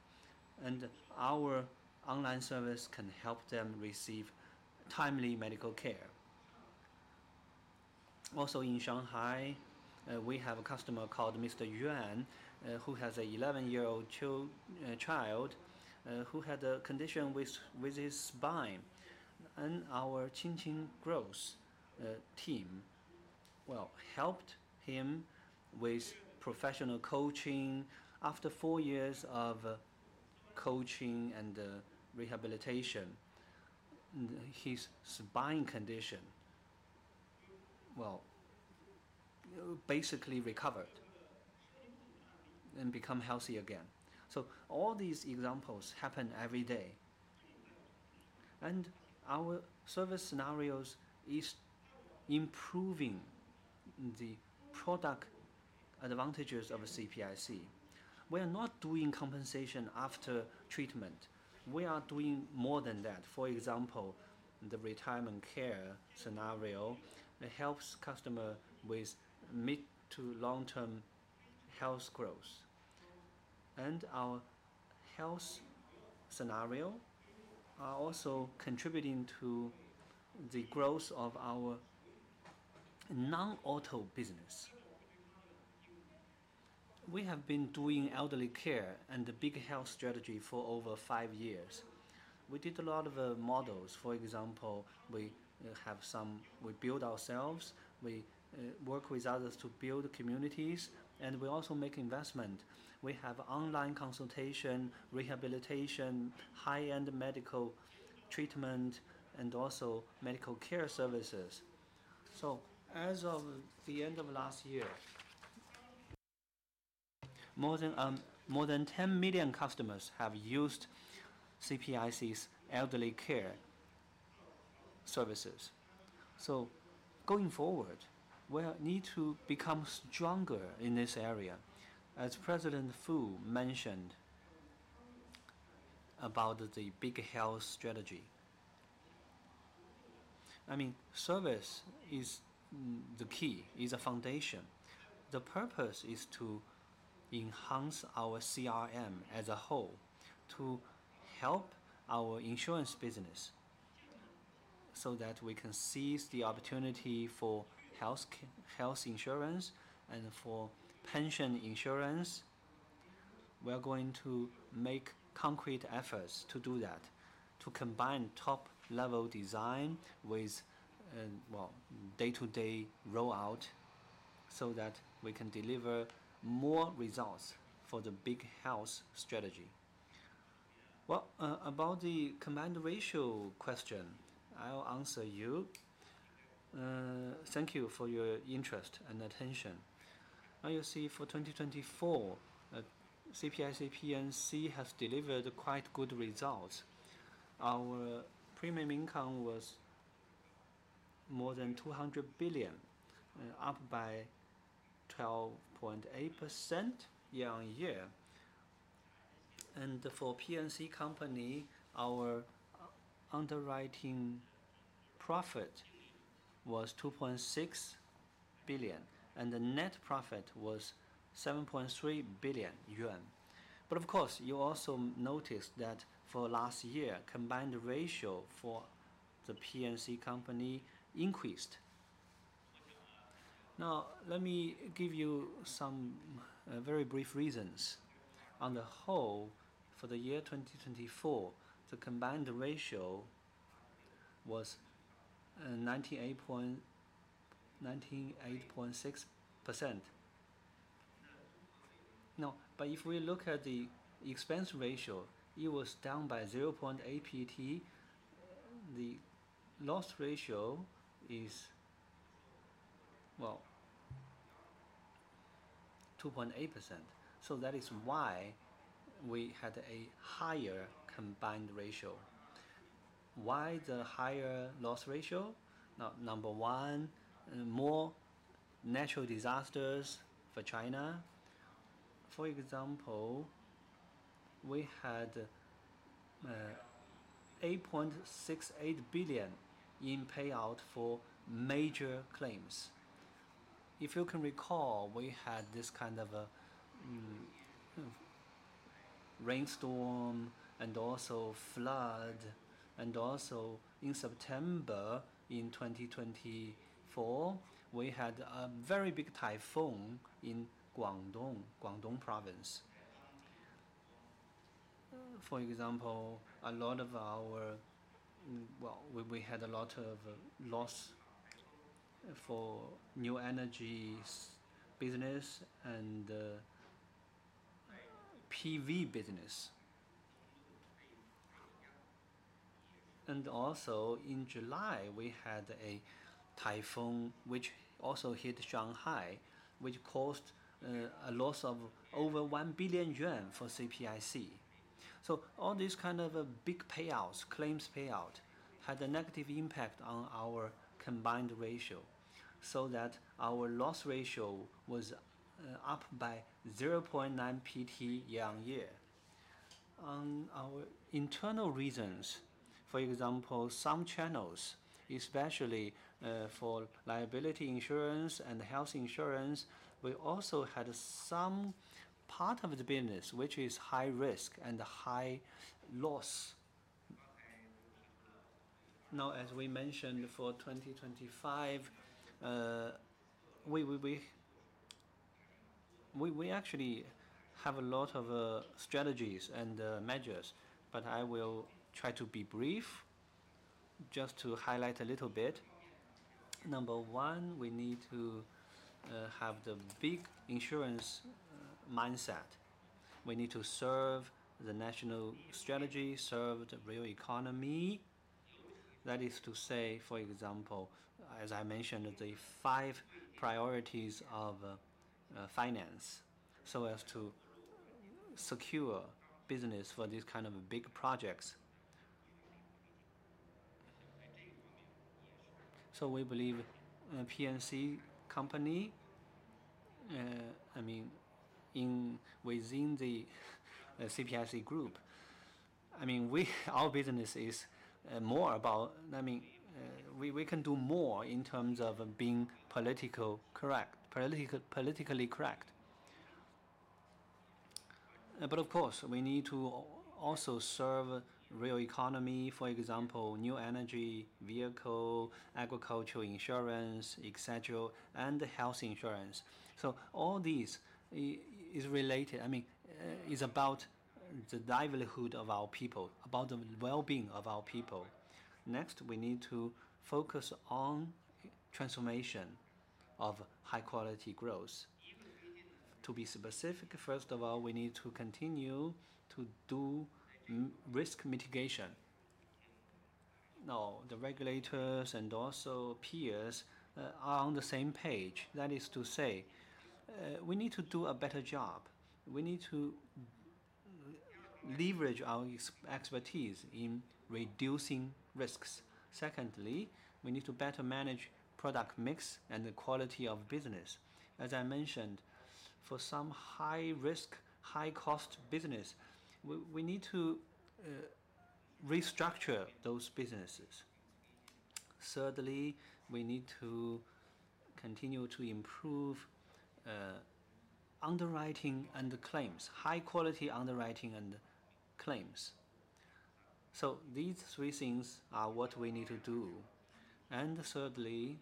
Our online service can help them receive timely medical care. Also, in Shanghai, we have a customer called Mr. Yuan, who has an 11-year-old child who had a condition with his spine. Our Qingqing Growth team, well, helped him with professional coaching. After four years of coaching and rehabilitation, his spine condition, well, basically recovered and became healthy again. All these examples happen every day. Our service scenarios are improving the product advantages of CPIC. We are not doing compensation after treatment. We are doing more than that. For example, the retirement care scenario helps customers with mid to long-term health growth. Our health scenarios are also contributing to the growth of our non-auto business. We have been doing elderly care and the big health strategy for over five years. We did a lot of models. For example, we build ourselves. We work with others to build communities. We also make investment. We have online consultation, rehabilitation, high-end medical treatment, and also medical care services. As of the end of last year, more than 10 million customers have used CPIC's elderly care services. Going forward, we need to become stronger in this area. As President Fu mentioned about the big health strategy, I mean, service is the key. It is a foundation. The purpose is to enhance our CRM as a whole to help our insurance business so that we can seize the opportunity for health insurance and for pension insurance. We are going to make concrete efforts to do that, to combine top-level design with day-to-day rollout so that we can deliver more results for the big health strategy. About the combined ratio question, I will answer you. Thank you for your interest and attention. You see, for 2024, CPIC P&C has delivered quite good results. Our premium income was more than 200 billion, up by 12.8% year on year. For P&C company, our underwriting profit was 2.6 billion, and the net profit was 7.3 billion yuan. Of course, you also noticed that for last year, the combined ratio for the P&C company increased. Now, let me give you some very brief reasons. On the whole, for the year 2024, the combined ratio was 98.6%. If we look at the expense ratio, it was down by 0.8 PT. The loss ratio is, well, 2.8%. That is why we had a higher combined ratio. Why the higher loss ratio? Number one, more natural disasters for China. For example, we had 8.68 billion in payout for major claims. If you can recall, we had this kind of rainstorm and also flood. Also, in September 2024, we had a very big typhoon in Guangdong, Guangdong Province. For example, we had a lot of loss for new energy business and PV business. In July, we had a typhoon which also hit Shanghai, which caused a loss of over 1 billion yuan for CPIC. All these kinds of big payouts, claims payout, had a negative impact on our combined ratio so that our loss ratio was up by 0.9 PT year on year. On our internal reasons, for example, some channels, especially for liability insurance and health insurance, we also had some part of the business which is high risk and high loss. As we mentioned, for 2025, we actually have a lot of strategies and measures, but I will try to be brief just to highlight a little bit. Number one, we need to have the big insurance mindset. We need to serve the national strategy, serve the real economy. That is to say, for example, as I mentioned, the five priorities of finance so as to secure business for these kinds of big projects. We believe P&C company, I mean, within the CPIC Group, I mean, our business is more about—I mean, we can do more in terms of being politically correct. Of course, we need to also serve the real economy, for example, new energy vehicle, agricultural insurance, etc., and health insurance. All these is related. I mean, it's about the livelihood of our people, about the well-being of our people. Next, we need to focus on transformation of high-quality growth. To be specific, first of all, we need to continue to do risk mitigation. Now, the regulators and also peers are on the same page. That is to say, we need to do a better job. We need to leverage our expertise in reducing risks. Secondly, we need to better manage product mix and the quality of business. As I mentioned, for some high-risk, high-cost business, we need to restructure those businesses. Thirdly, we need to continue to improve underwriting and claims, high-quality underwriting and claims. These three things are what we need to do. Thirdly,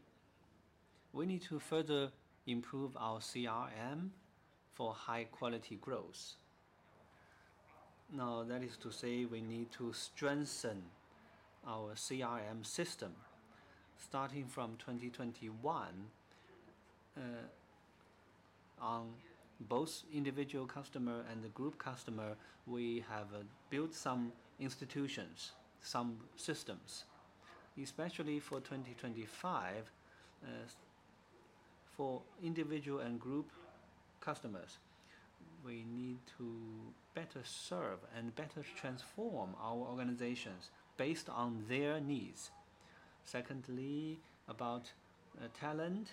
we need to further improve our CRM for high-quality growth. That is to say, we need to strengthen our CRM system. Starting from 2021, on both individual customers and the group customers, we have built some institutions, some systems. Especially for 2025, for individual and group customers, we need to better serve and better transform our organizations based on their needs. Secondly, about talent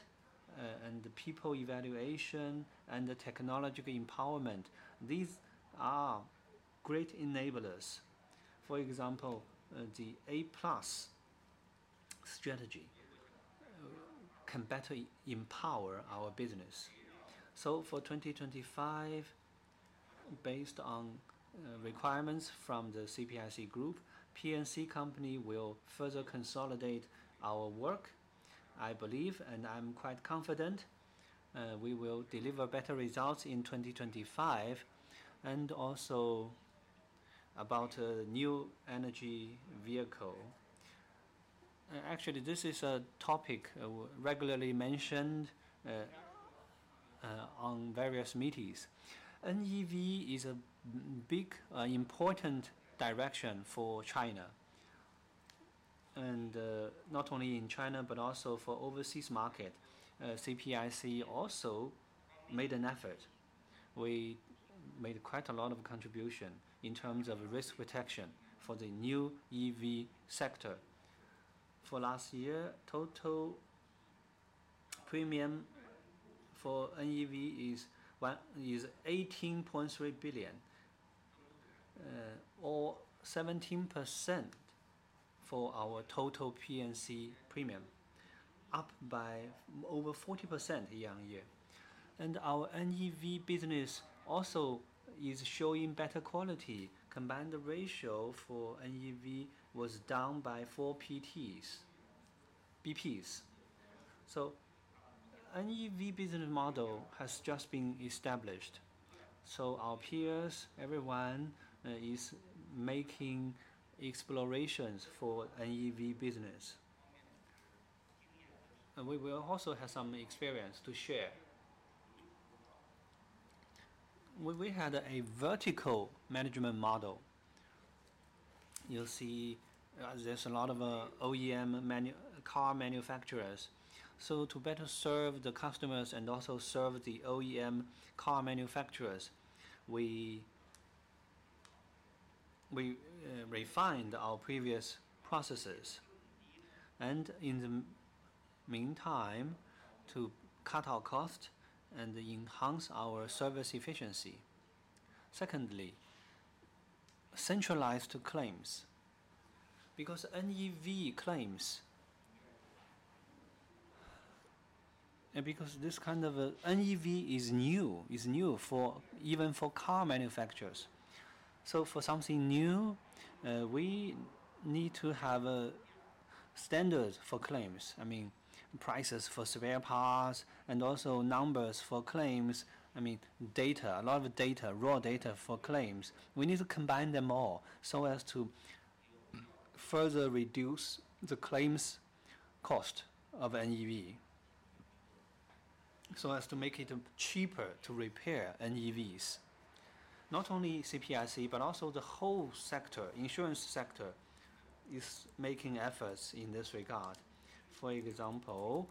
and people evaluation and technological empowerment, these are great enablers. For example, the A+ strategy can better empower our business. For 2025, based on requirements from the CPIC Group, P&C company will further consolidate our work, I believe, and I'm quite confident we will deliver better results in 2025. Also, about new energy vehicle, actually, this is a topic regularly mentioned on various meetings. NEV is a big important direction for China. Not only in China but also for the overseas market, CPIC also made an effort. We made quite a lot of contribution in terms of risk protection for the new EV sector. For last year, total premium for NEV is 18.3 billion, or 17% of our total P&C premium, up by over 40% year on year. Our NEV business also is showing better quality. Combined ratio for NEV was down by 4 PTs. NEV business model has just been established. Our peers, everyone is making explorations for NEV business. We will also have some experience to share. We had a vertical management model. You'll see there's a lot of OEM car manufacturers. To better serve the customers and also serve the OEM car manufacturers, we refined our previous processes. In the meantime, to cut our cost and enhance our service efficiency. Secondly, centralized claims. NEV claims, because this kind of NEV is new, is new even for car manufacturers. For something new, we need to have a standard for claims. I mean, prices for spare parts and also numbers for claims. I mean, data, a lot of data, raw data for claims. We need to combine them all so as to further reduce the claims cost of NEV, so as to make it cheaper to repair NEVs. Not only CPIC but also the whole sector, insurance sector, is making efforts in this regard. For example,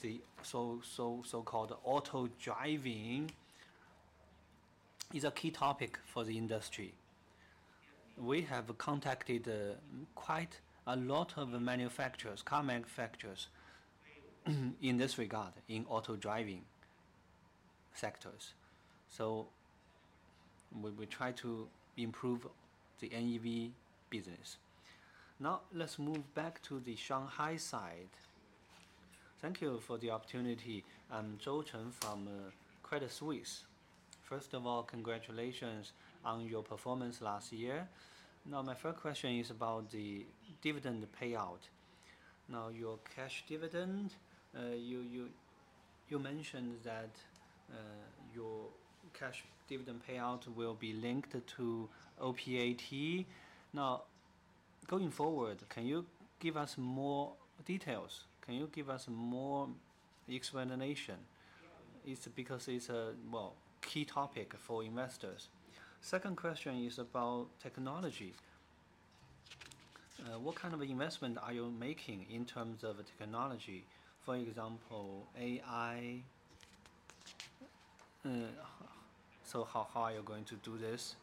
the so-called auto driving is a key topic for the industry. We have contacted quite a lot of manufacturers, car manufacturers, in this regard in auto driving sectors. We try to improve the NEV business. Now, let's move back to the Shanghai side. Thank you for the opportunity. I'm Zhou Chen from Credit Suisse. First of all, congratulations on your performance last year. Now, my first question is about the dividend payout. Now, your cash dividend, you mentioned that your cash dividend payout will be linked to OPAT. Now, going forward, can you give us more details? Can you give us more explanation? It's because it's a, well, key topic for investors. Second question is about technology. What kind of investment are you making in terms of technology? For example, AI. How are you going to do this?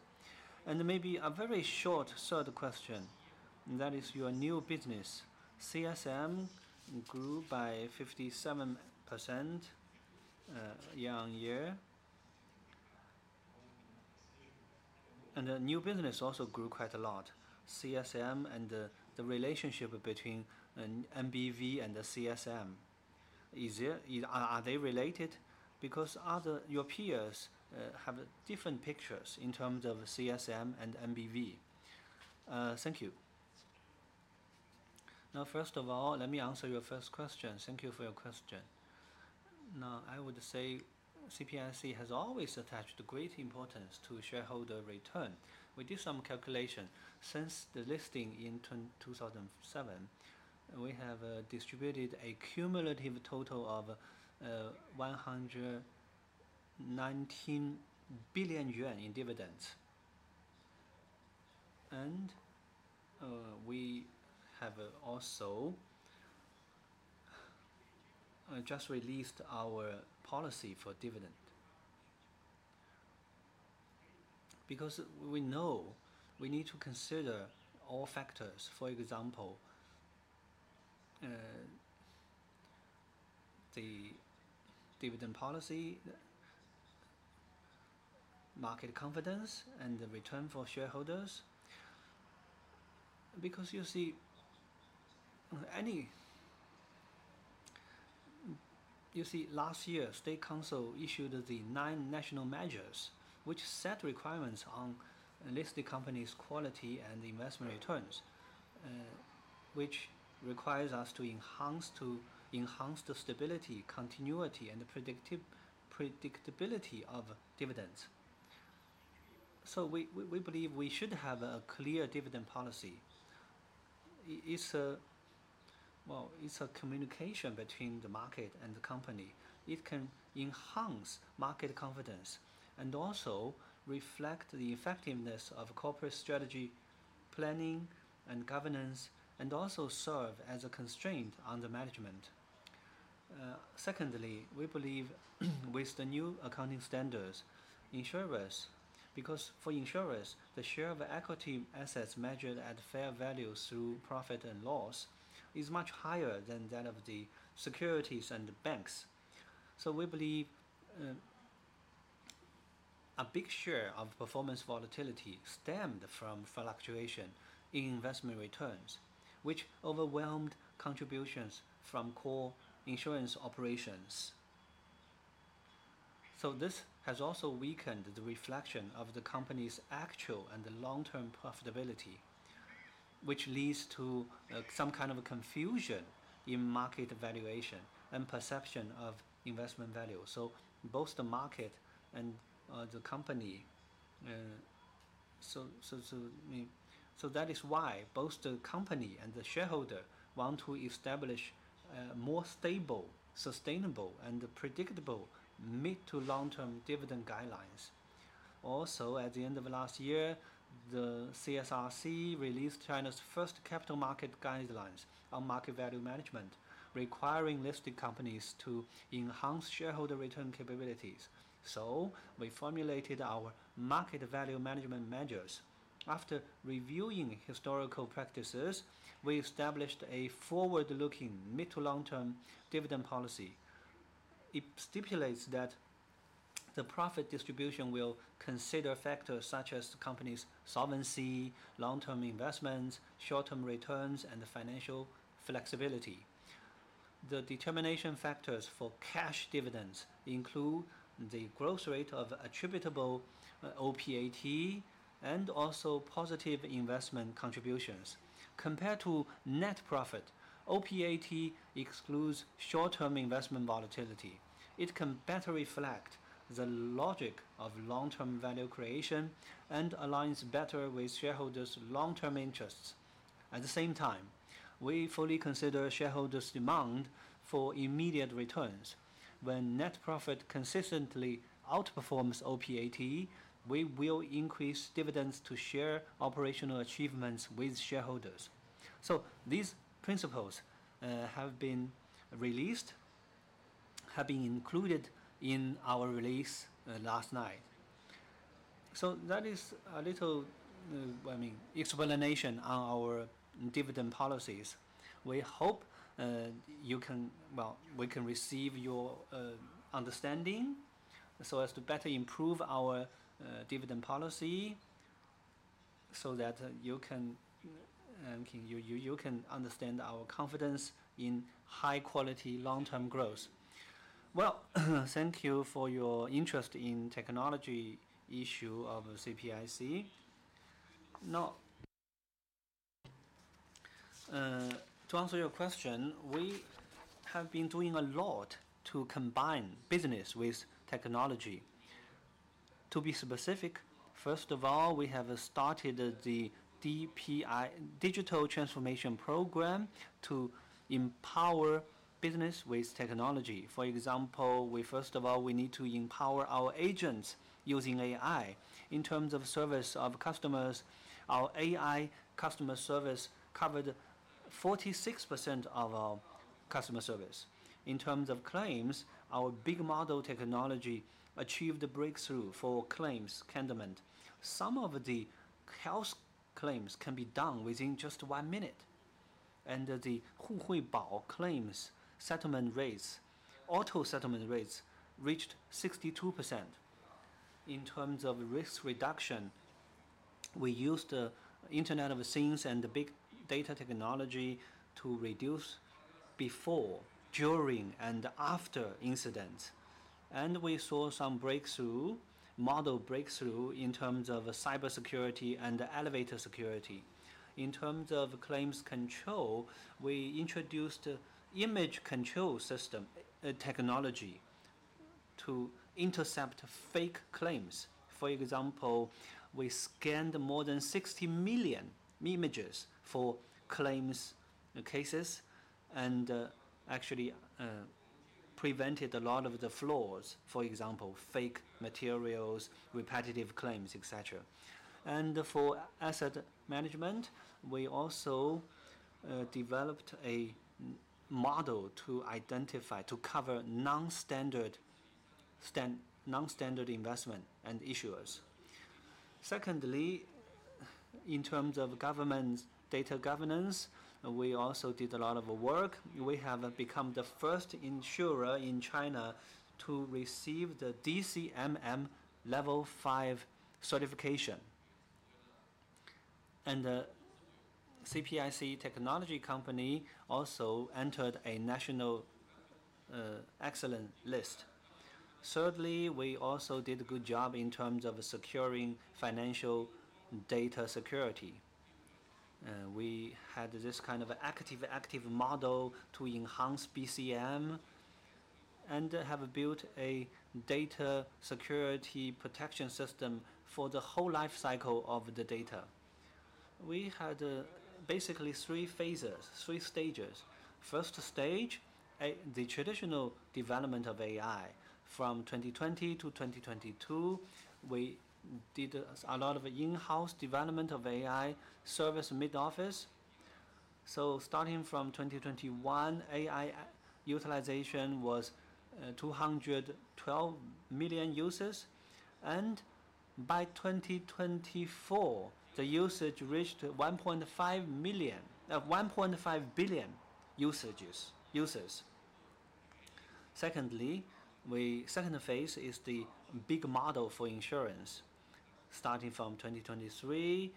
Maybe a very short third question. That is your new business. CSM grew by 57% year on year. The new business also grew quite a lot. CSM and the relationship between MBV and CSM, are they related? Because your peers have different pictures in terms of CSM and MBV. Thank you. Now, first of all, let me answer your first question. Thank you for your question. I would say CPIC has always attached great importance to shareholder return. We did some calculation. Since the listing in 2007, we have distributed a cumulative total of 119 billion yuan in dividends. We have also just released our policy for dividend. Because we know we need to consider all factors. For example, the dividend policy, market confidence, and the return for shareholders. You see, last year, State Council issued the nine national measures which set requirements on listed companies' quality and investment returns, which requires us to enhance the stability, continuity, and predictability of dividends. We believe we should have a clear dividend policy. It is a communication between the market and the company. It can enhance market confidence and also reflect the effectiveness of corporate strategy planning and governance, and also serve as a constraint on the management. Secondly, we believe with the new accounting standards, insurers, because for insurers, the share of equity assets measured at fair value through profit and loss is much higher than that of the securities and banks. We believe a big share of performance volatility stemmed from fluctuation in investment returns, which overwhelmed contributions from core insurance operations. This has also weakened the reflection of the company's actual and long-term profitability, which leads to some kind of confusion in market valuation and perception of investment value. Both the market and the company. That is why both the company and the shareholder want to establish more stable, sustainable, and predictable mid to long-term dividend guidelines. Also, at the end of last year, the CSRC released China's first capital market guidelines on market value management, requiring listed companies to enhance shareholder return capabilities. We formulated our market value management measures. After reviewing historical practices, we established a forward-looking mid to long-term dividend policy. It stipulates that the profit distribution will consider factors such as the company's solvency, long-term investments, short-term returns, and financial flexibility. The determination factors for cash dividends include the growth rate of attributable OPAT and also positive investment contributions. Compared to net profit, OPAT excludes short-term investment volatility. It can better reflect the logic of long-term value creation and aligns better with shareholders' long-term interests. At the same time, we fully consider shareholders' demand for immediate returns. When net profit consistently outperforms OPAT, we will increase dividends to share operational achievements with shareholders. These principles have been released, have been included in our release last night. That is a little, I mean, explanation on our dividend policies. We hope you can, well, we can receive your understanding so as to better improve our dividend policy so that you can understand our confidence in high-quality long-term growth. Thank you for your interest in the technology issue of CPIC. Now, to answer your question, we have been doing a lot to combine business with technology. To be specific, first of all, we have started the DPI Digital Transformation Program to empower business with technology. For example, first of all, we need to empower our agents using AI. In terms of service of customers, our AI customer service covered 46% of our customer service. In terms of claims, our big model technology achieved a breakthrough for claims settlement. Some of the health claims can be done within just one minute. The Huihui Bao claims settlement rates, auto settlement rates reached 62%. In terms of risk reduction, we used the Internet of Things and the big data technology to reduce before, during, and after incidents. We saw some breakthrough, model breakthrough in terms of cybersecurity and elevator security. In terms of claims control, we introduced image control system technology to intercept fake claims. For example, we scanned more than 60 million images for claims cases and actually prevented a lot of the flaws, for example, fake materials, repetitive claims, etc. For asset management, we also developed a model to identify, to cover non-standard investment and issuers. Secondly, in terms of government data governance, we also did a lot of work. We have become the first insurer in China to receive the DCMM level five certification. The CPIC technology company also entered a national excellence list. Thirdly, we also did a good job in terms of securing financial data security. We had this kind of active-active model to enhance BCM and have built a data security protection system for the whole life cycle of the data. We had basically three phases, three stages. First stage, the traditional development of AI from 2020-2022. We did a lot of in-house development of AI service mid-office. Starting from 2021, AI utilization was 212 million users. By 2024, the usage reached 1.5 billion users. Secondly, the second phase is the big model for insurance. Starting from 2023,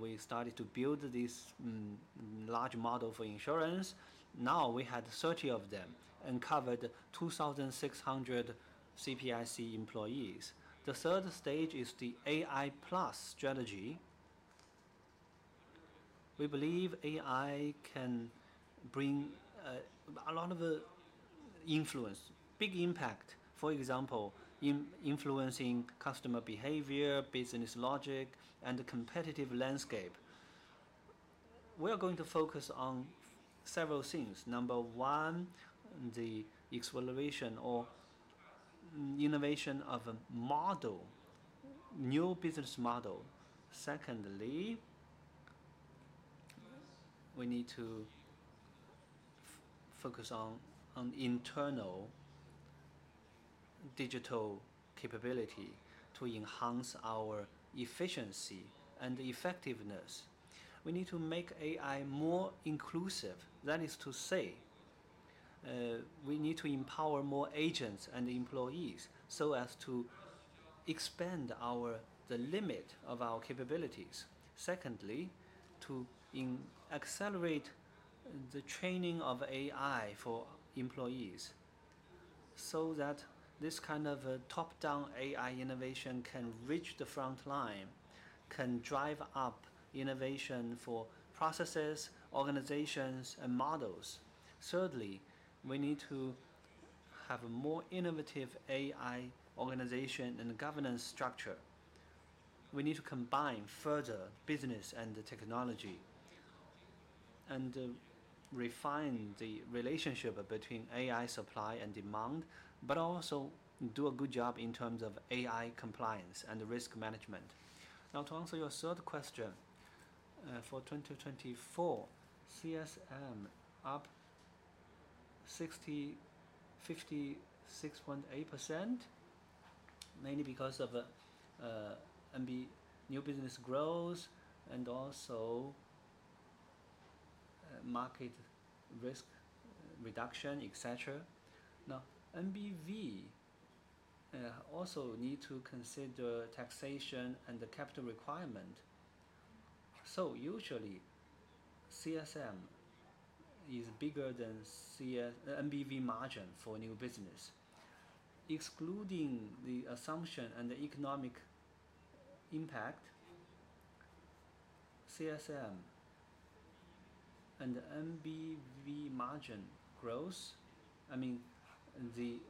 we started to build this large model for insurance. Now we had 30 of them and covered 2,600 CPIC employees. The third stage is the AI Plus strategy. We believe AI can bring a lot of influence, big impact, for example, influencing customer behavior, business logic, and the competitive landscape. We are going to focus on several things. Number one, the acceleration or innovation of a model, new business model. Secondly, we need to focus on internal digital capability to enhance our efficiency and effectiveness. We need to make AI more inclusive. That is to say, we need to empower more agents and employees so as to expand the limit of our capabilities. Secondly, to accelerate the training of AI for employees so that this kind of top-down AI innovation can reach the front line, can drive up innovation for processes, organizations, and models. Thirdly, we need to have a more innovative AI organization and governance structure. We need to combine further business and technology and refine the relationship between AI supply and demand, but also do a good job in terms of AI compliance and risk management. Now, to answer your third question, for 2024, CSM up 56.8%, mainly because of new business growth and also market risk reduction, etc. Now, MBV also needs to consider taxation and the capital requirement. So usually, CSM is bigger than MBV margin for new business. Excluding the assumption and the economic impact, CSM and MBV margin growth, I mean,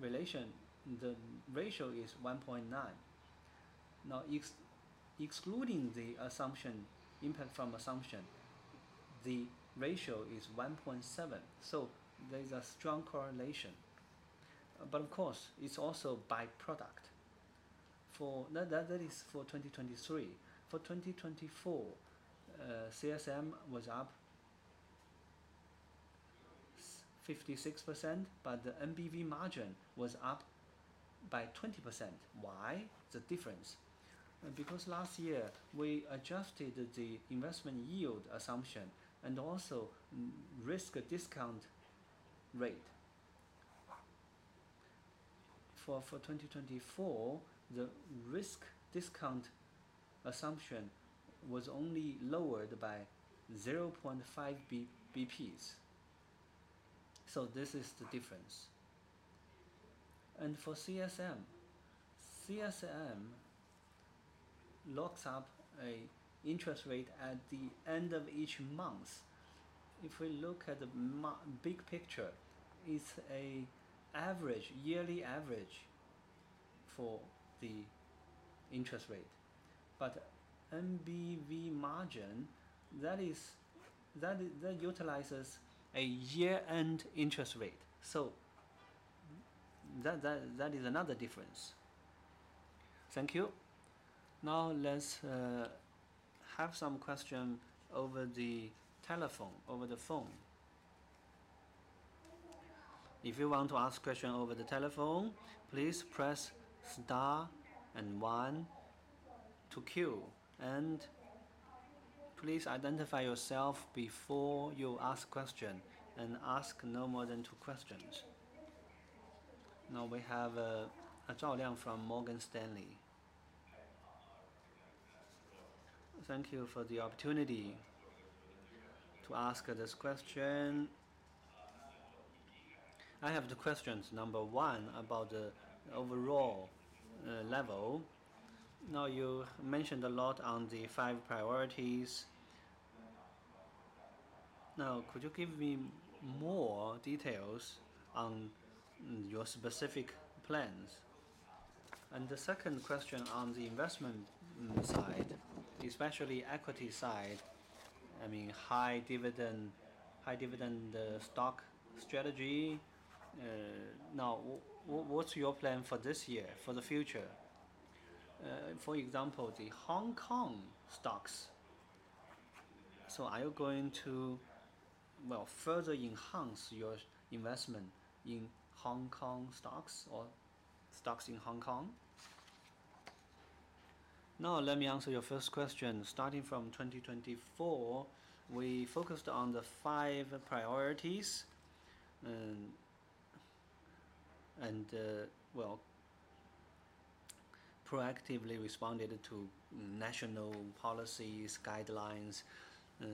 the ratio is 1.9. Now, excluding the impact from assumption, the ratio is 1.7. There is a strong correlation. Of course, it's also by product. That is for 2023. For 2024, CSM was up 56%, but the MBV margin was up by 20%. Why? The difference. Last year, we adjusted the investment yield assumption and also risk discount rate. For 2024, the risk discount assumption was only lowered by 0.5 basis points. This is the difference. For CSM, CSM locks up an interest rate at the end of each month. If we look at the big picture, it's an average, yearly average for the interest rate. MBV margin utilizes a year-end interest rate. That is another difference. Thank you. Now, let's have some questions over the telephone, over the phone. If you want to ask a question over the telephone, please press star and one to queue. Please identify yourself before you ask a question and ask no more than two questions. Now, we have Zhao Liang from Morgan Stanley. Thank you for the opportunity to ask this question. I have the questions. Number one, about the overall level. You mentioned a lot on the five priorities. Could you give me more details on your specific plans? The second question on the investment side, especially equity side, I mean, high dividend stock strategy. What's your plan for this year, for the future? For example, the Hong Kong stocks. Are you going to, you know, further enhance your investment in Hong Kong stocks or stocks in Hong Kong? Let me answer your first question. Starting from 2024, we focused on the five priorities and, well, proactively responded to national policies, guidelines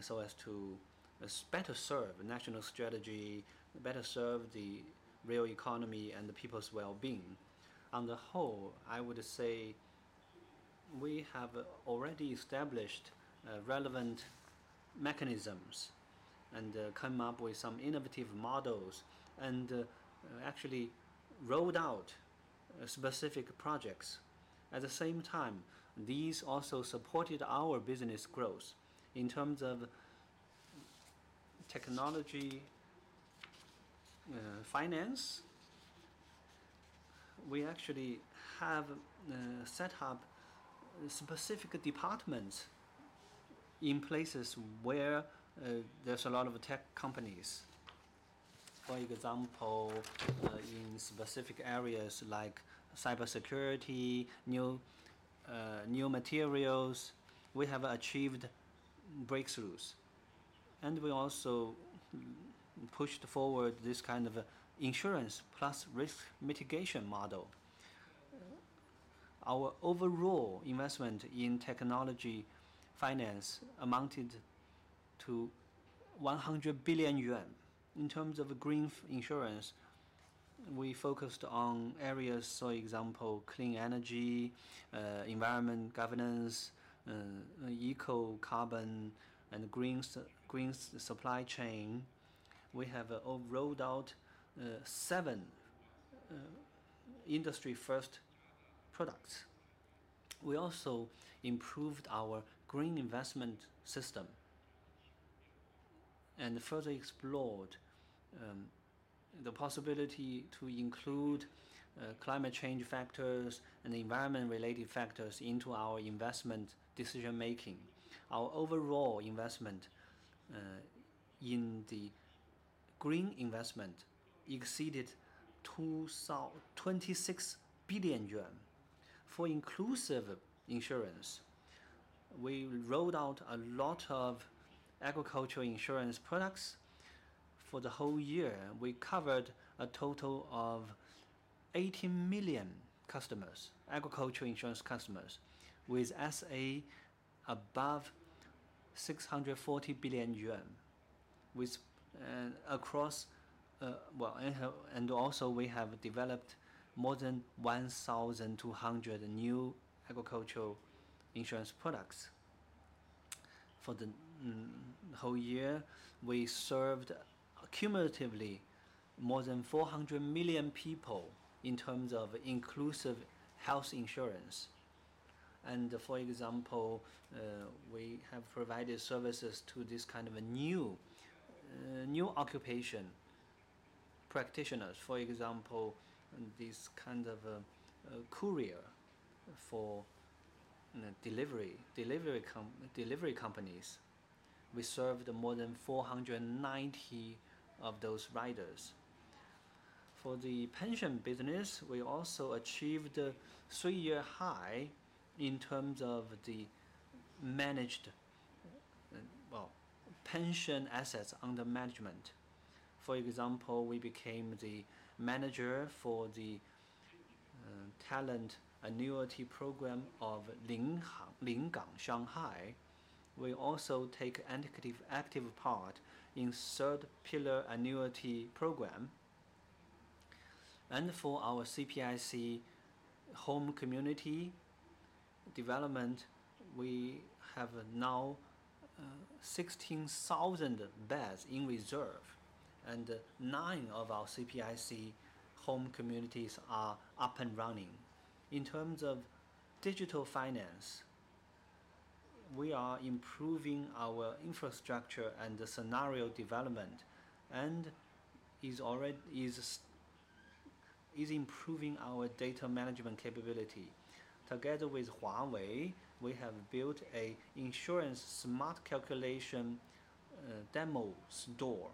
so as to better serve national strategy, better serve the real economy and the people's well-being. On the whole, I would say we have already established relevant mechanisms and come up with some innovative models and actually rolled out specific projects. At the same time, these also supported our business growth. In terms of technology finance, we actually have set up specific departments in places where there's a lot of tech companies. For example, in specific areas like cybersecurity, new materials, we have achieved breakthroughs. We also pushed forward this kind of insurance plus risk mitigation model. Our overall investment in technology finance amounted to 100 billion yuan. In terms of green insurance, we focused on areas, for example, clean energy, environment governance, eco-carbon, and green supply chain. We have rolled out seven industry-first products. We also improved our green investment system and further explored the possibility to include climate change factors and environment-related factors into our investment decision-making. Our overall investment in the green investment exceeded 26 billion yuan. For inclusive insurance, we rolled out a lot of agricultural insurance products. For the whole year, we covered a total of 18 million customers, agricultural insurance customers, with SA above RMB 640 billion. We have developed more than 1,200 new agricultural insurance products. For the whole year, we served cumulatively more than 400 million people in terms of inclusive health insurance. For example, we have provided services to this kind of new occupation practitioners. For example, this kind of courier for delivery companies. We served more than 490 of those riders. For the pension business, we also achieved a three-year high in terms of the managed, well, pension assets under management. For example, we became the manager for the talent annuity program of Lingang Shanghai. We also take an active part in the third-pillar annuity program. For our CPIC Home Community development, we have now 16,000 beds in reserve. Nine of our CPIC Home Communities are up and running. In terms of digital finance, we are improving our infrastructure and scenario development and are improving our data management capability. Together with Huawei, we have built an insurance smart calculation demo store.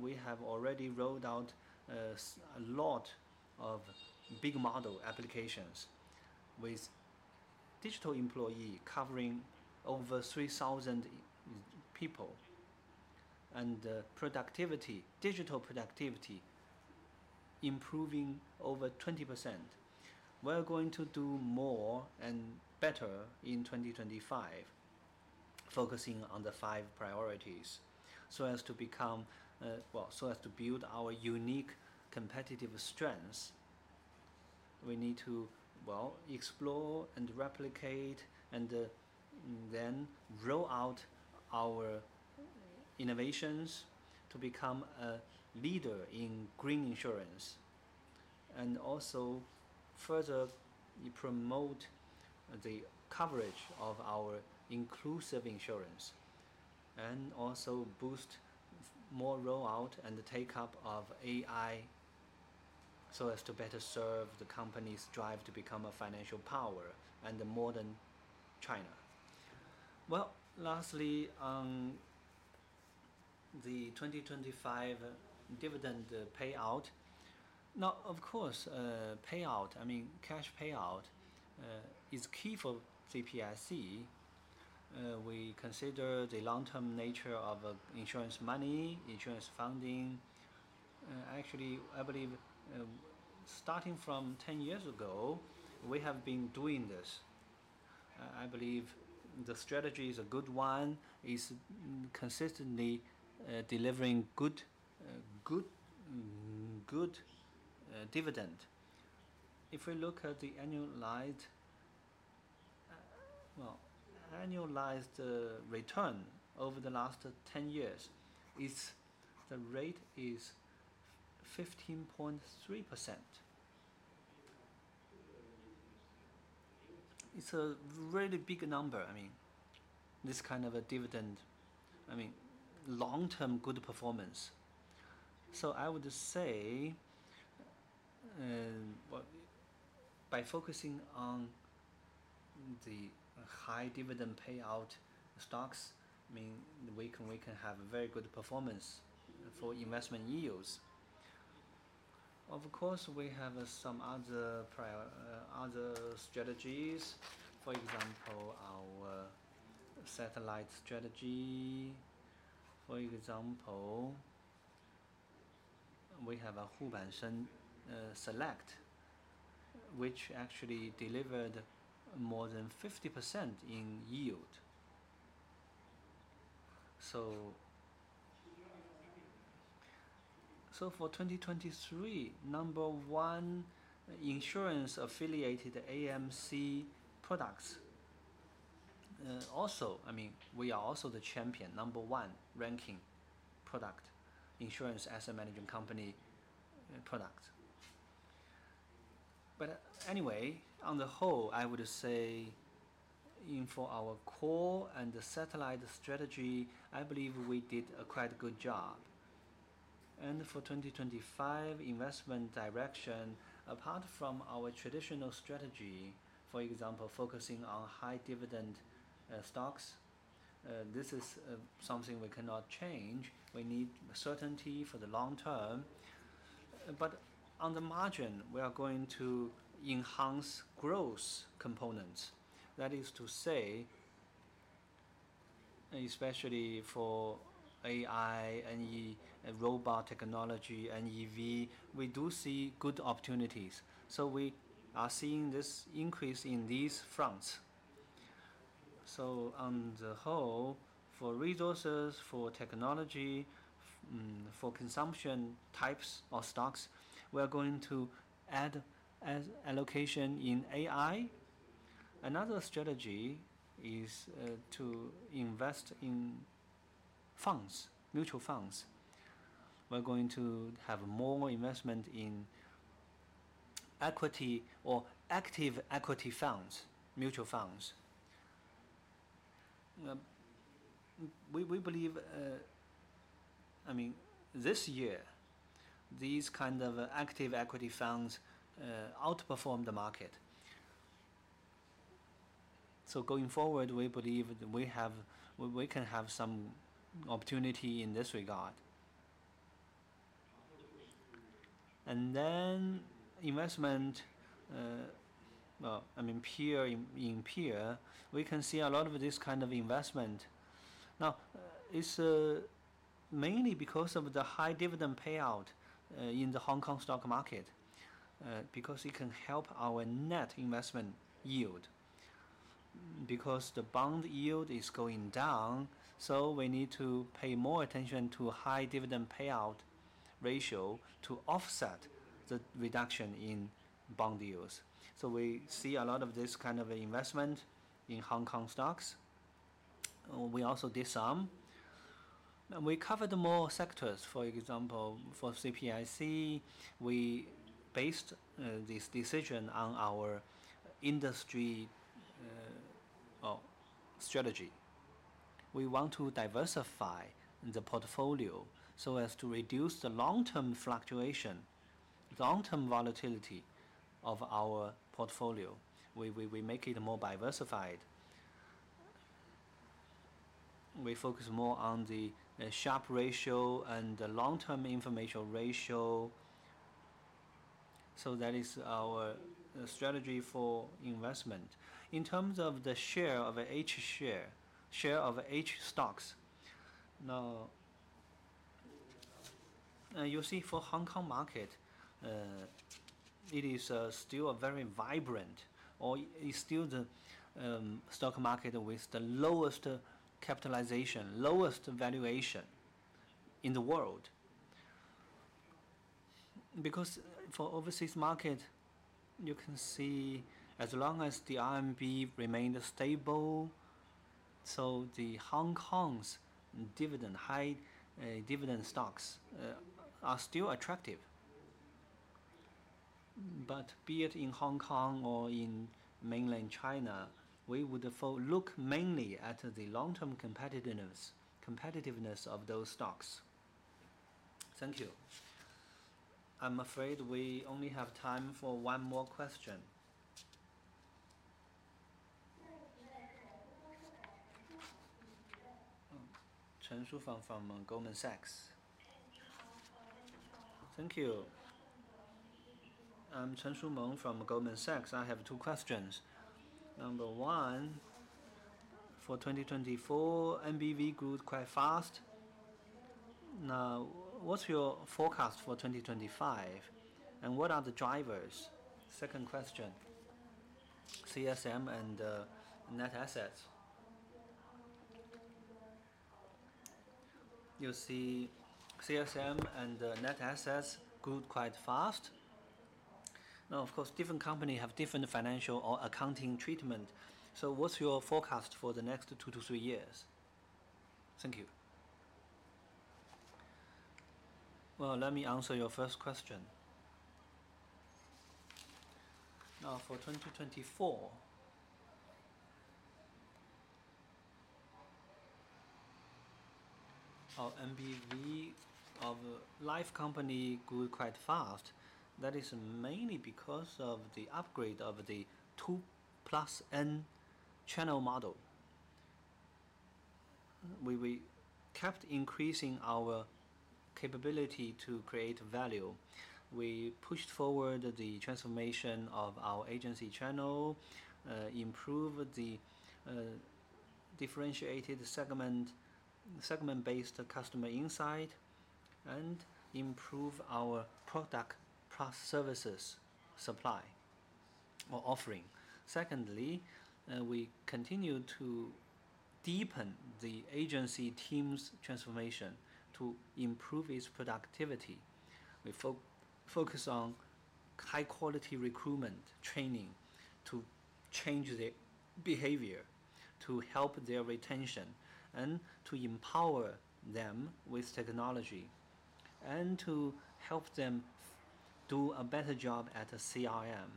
We have already rolled out a lot of big model applications with digital employees covering over 3,000 people. Digital productivity is improving over 20%. We're going to do more and better in 2025, focusing on the five priorities so as to become, well, so as to build our unique competitive strengths. We need to, well, explore and replicate and then roll out our innovations to become a leader in green insurance. Also, further promote the coverage of our inclusive insurance and also boost more rollout and take up of AI so as to better serve the company's drive to become a financial power and modern China. Lastly, on the 2025 dividend payout. Now, of course, payout, I mean, cash payout is key for CPIC. We consider the long-term nature of insurance money, insurance funding. Actually, I believe starting from 10 years ago, we have been doing this. I believe the strategy is a good one. It's consistently delivering good dividend. If we look at the annualized return over the last 10 years, the rate is 15.3%. It's a really big number, I mean, this kind of a dividend, I mean, long-term good performance. I would say by focusing on the high dividend payout stocks, I mean, we can have a very good performance for investment yields. Of course, we have some other strategies. For example, our satellite strategy. For example, we have a Huban Sheng Select, which actually delivered more than 50% in yield. For 2023, number one insurance-affiliated AMC products. Also, I mean, we are also the champion, number one ranking product, insurance asset management company product. Anyway, on the whole, I would say for our core and satellite strategy, I believe we did a quite good job. For 2025 investment direction, apart from our traditional strategy, for example, focusing on high dividend stocks, this is something we cannot change. We need certainty for the long term. On the margin, we are going to enhance growth components. That is to say, especially for AI, NE, robot technology, NEV, we do see good opportunities. We are seeing this increase in these fronts. On the whole, for resources, for technology, for consumption types of stocks, we are going to add allocation in AI. Another strategy is to invest in funds, mutual funds. We're going to have more investment in equity or active equity funds, mutual funds. We believe, I mean, this year, these kind of active equity funds outperform the market. Going forward, we believe we can have some opportunity in this regard. Investment, I mean, peer in peer, we can see a lot of this kind of investment. Now, it is mainly because of the high dividend payout in the Hong Kong stock market because it can help our net investment yield. Because the bond yield is going down, we need to pay more attention to high dividend payout ratio to offset the reduction in bond yields. We see a lot of this kind of investment in Hong Kong stocks. We also did some. We covered more sectors. For example, for CPIC, we based this decision on our industry strategy. We want to diversify the portfolio so as to reduce the long-term fluctuation, long-term volatility of our portfolio. We make it more diversified. We focus more on the Sharpe ratio and the long-term information ratio. That is our strategy for investment. In terms of the share of each share, share of each stocks. Now, you see for Hong Kong market, it is still a very vibrant or it's still the stock market with the lowest capitalization, lowest valuation in the world. Because for overseas market, you can see as long as the RMB remained stable, so the Hong Kong's dividend stocks are still attractive. Be it in Hong Kong or in mainland China, we would look mainly at the long-term competitiveness of those stocks. Thank you. I'm afraid we only have time for one more question. Chen Shufang from Goldman Sachs. Thank you. I'm Chen Shufang from Goldman Sachs. I have two questions. Number one, for 2024, NBV grew quite fast. Now, what's your forecast for 2025? What are the drivers? Second question, CSM and net assets. You see CSM and net assets grew quite fast. Of course, different companies have different financial or accounting treatment. What's your forecast for the next two to three years? Thank you. Let me answer your first question. For 2024, NBV of Life Company grew quite fast. That is mainly because of the upgrade of the 2 Plus N channel model. We kept increasing our capability to create value. We pushed forward the transformation of our agency channel, improved the differentiated segment-based customer insight, and improved our product plus services supply or offering. Secondly, we continued to deepen the agency team's transformation to improve its productivity. We focus on high-quality recruitment training to change their behavior, to help their retention, and to empower them with technology, and to help them do a better job at CRM.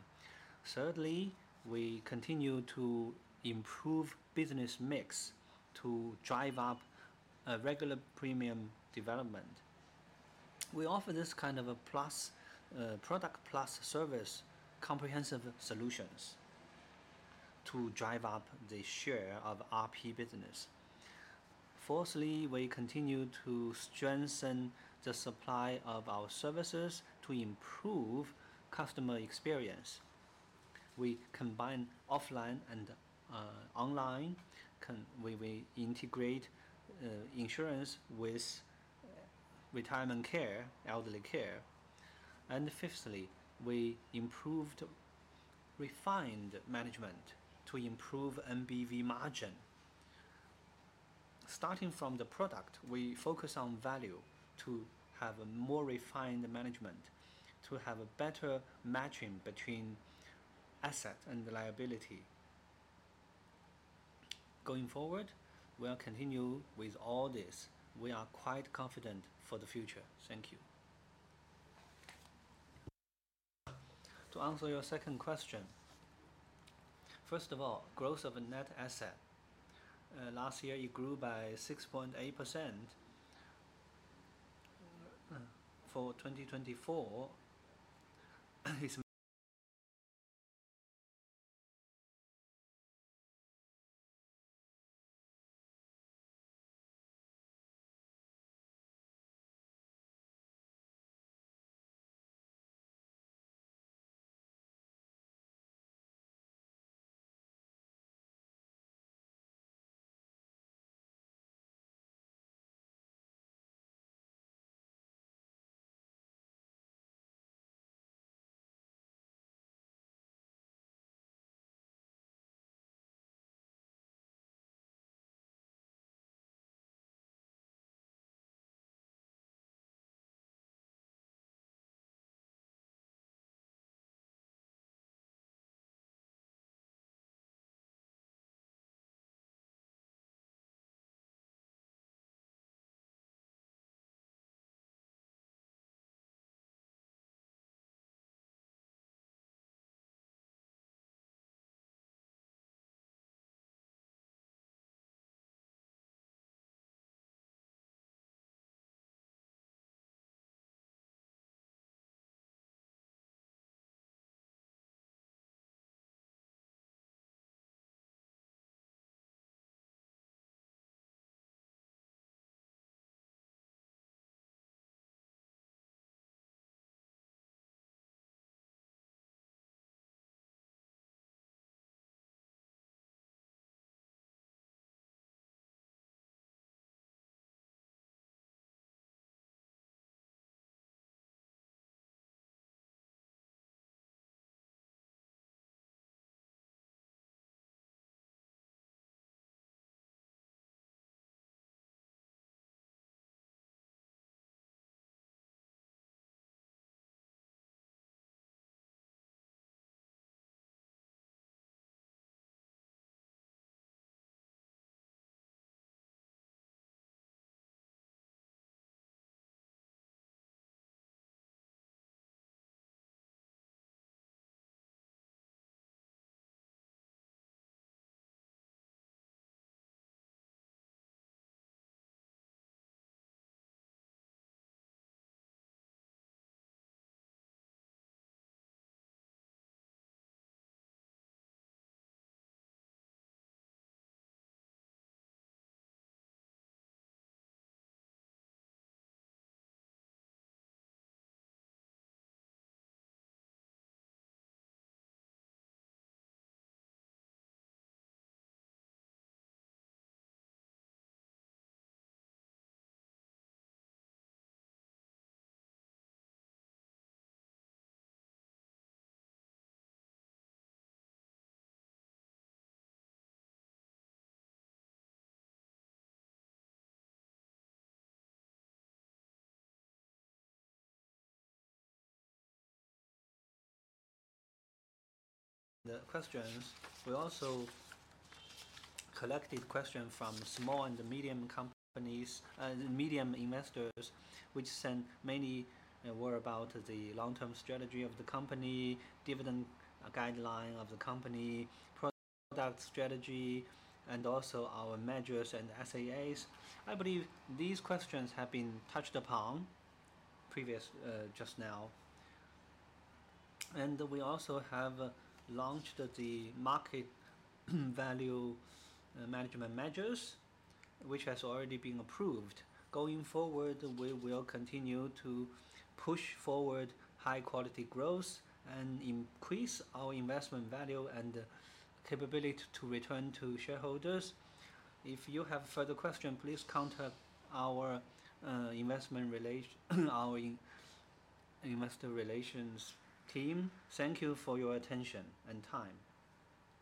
Thirdly, we continue to improve business mix to drive up regular premium development. We offer this kind of a product plus service comprehensive solutions to drive up the share of our P business. Fourthly, we continue to strengthen the supply of our services to improve customer experience. We combine offline and online. We integrate insurance with retirement care, elderly care. Fifthly, we improved refined management to improve NBV margin. Starting from the product, we focus on value to have a more refined management to have a better matching between asset and liability. Going forward, we'll continue with all this. We are quite confident for the future. Thank you. To answer your second question, first of all, growth of net asset. Last year, it grew by 6.8%. For 2024, it's mainly focused on the customer service. The questions, we also collected questions from small and medium investors, which mainly were about the long-term strategy of the company, dividend guideline of the company, product strategy, and also our measures and SAAs. I believe these questions have been touched upon just now. We also have launched the market value management measures, which has already been approved. Going forward, we will continue to push forward high-quality growth and increase our investment value and capability to return to shareholders. If you have further questions, please contact our investor relations team. Thank you for your attention and time.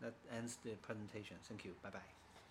That ends the presentation. Thank you. Bye-bye.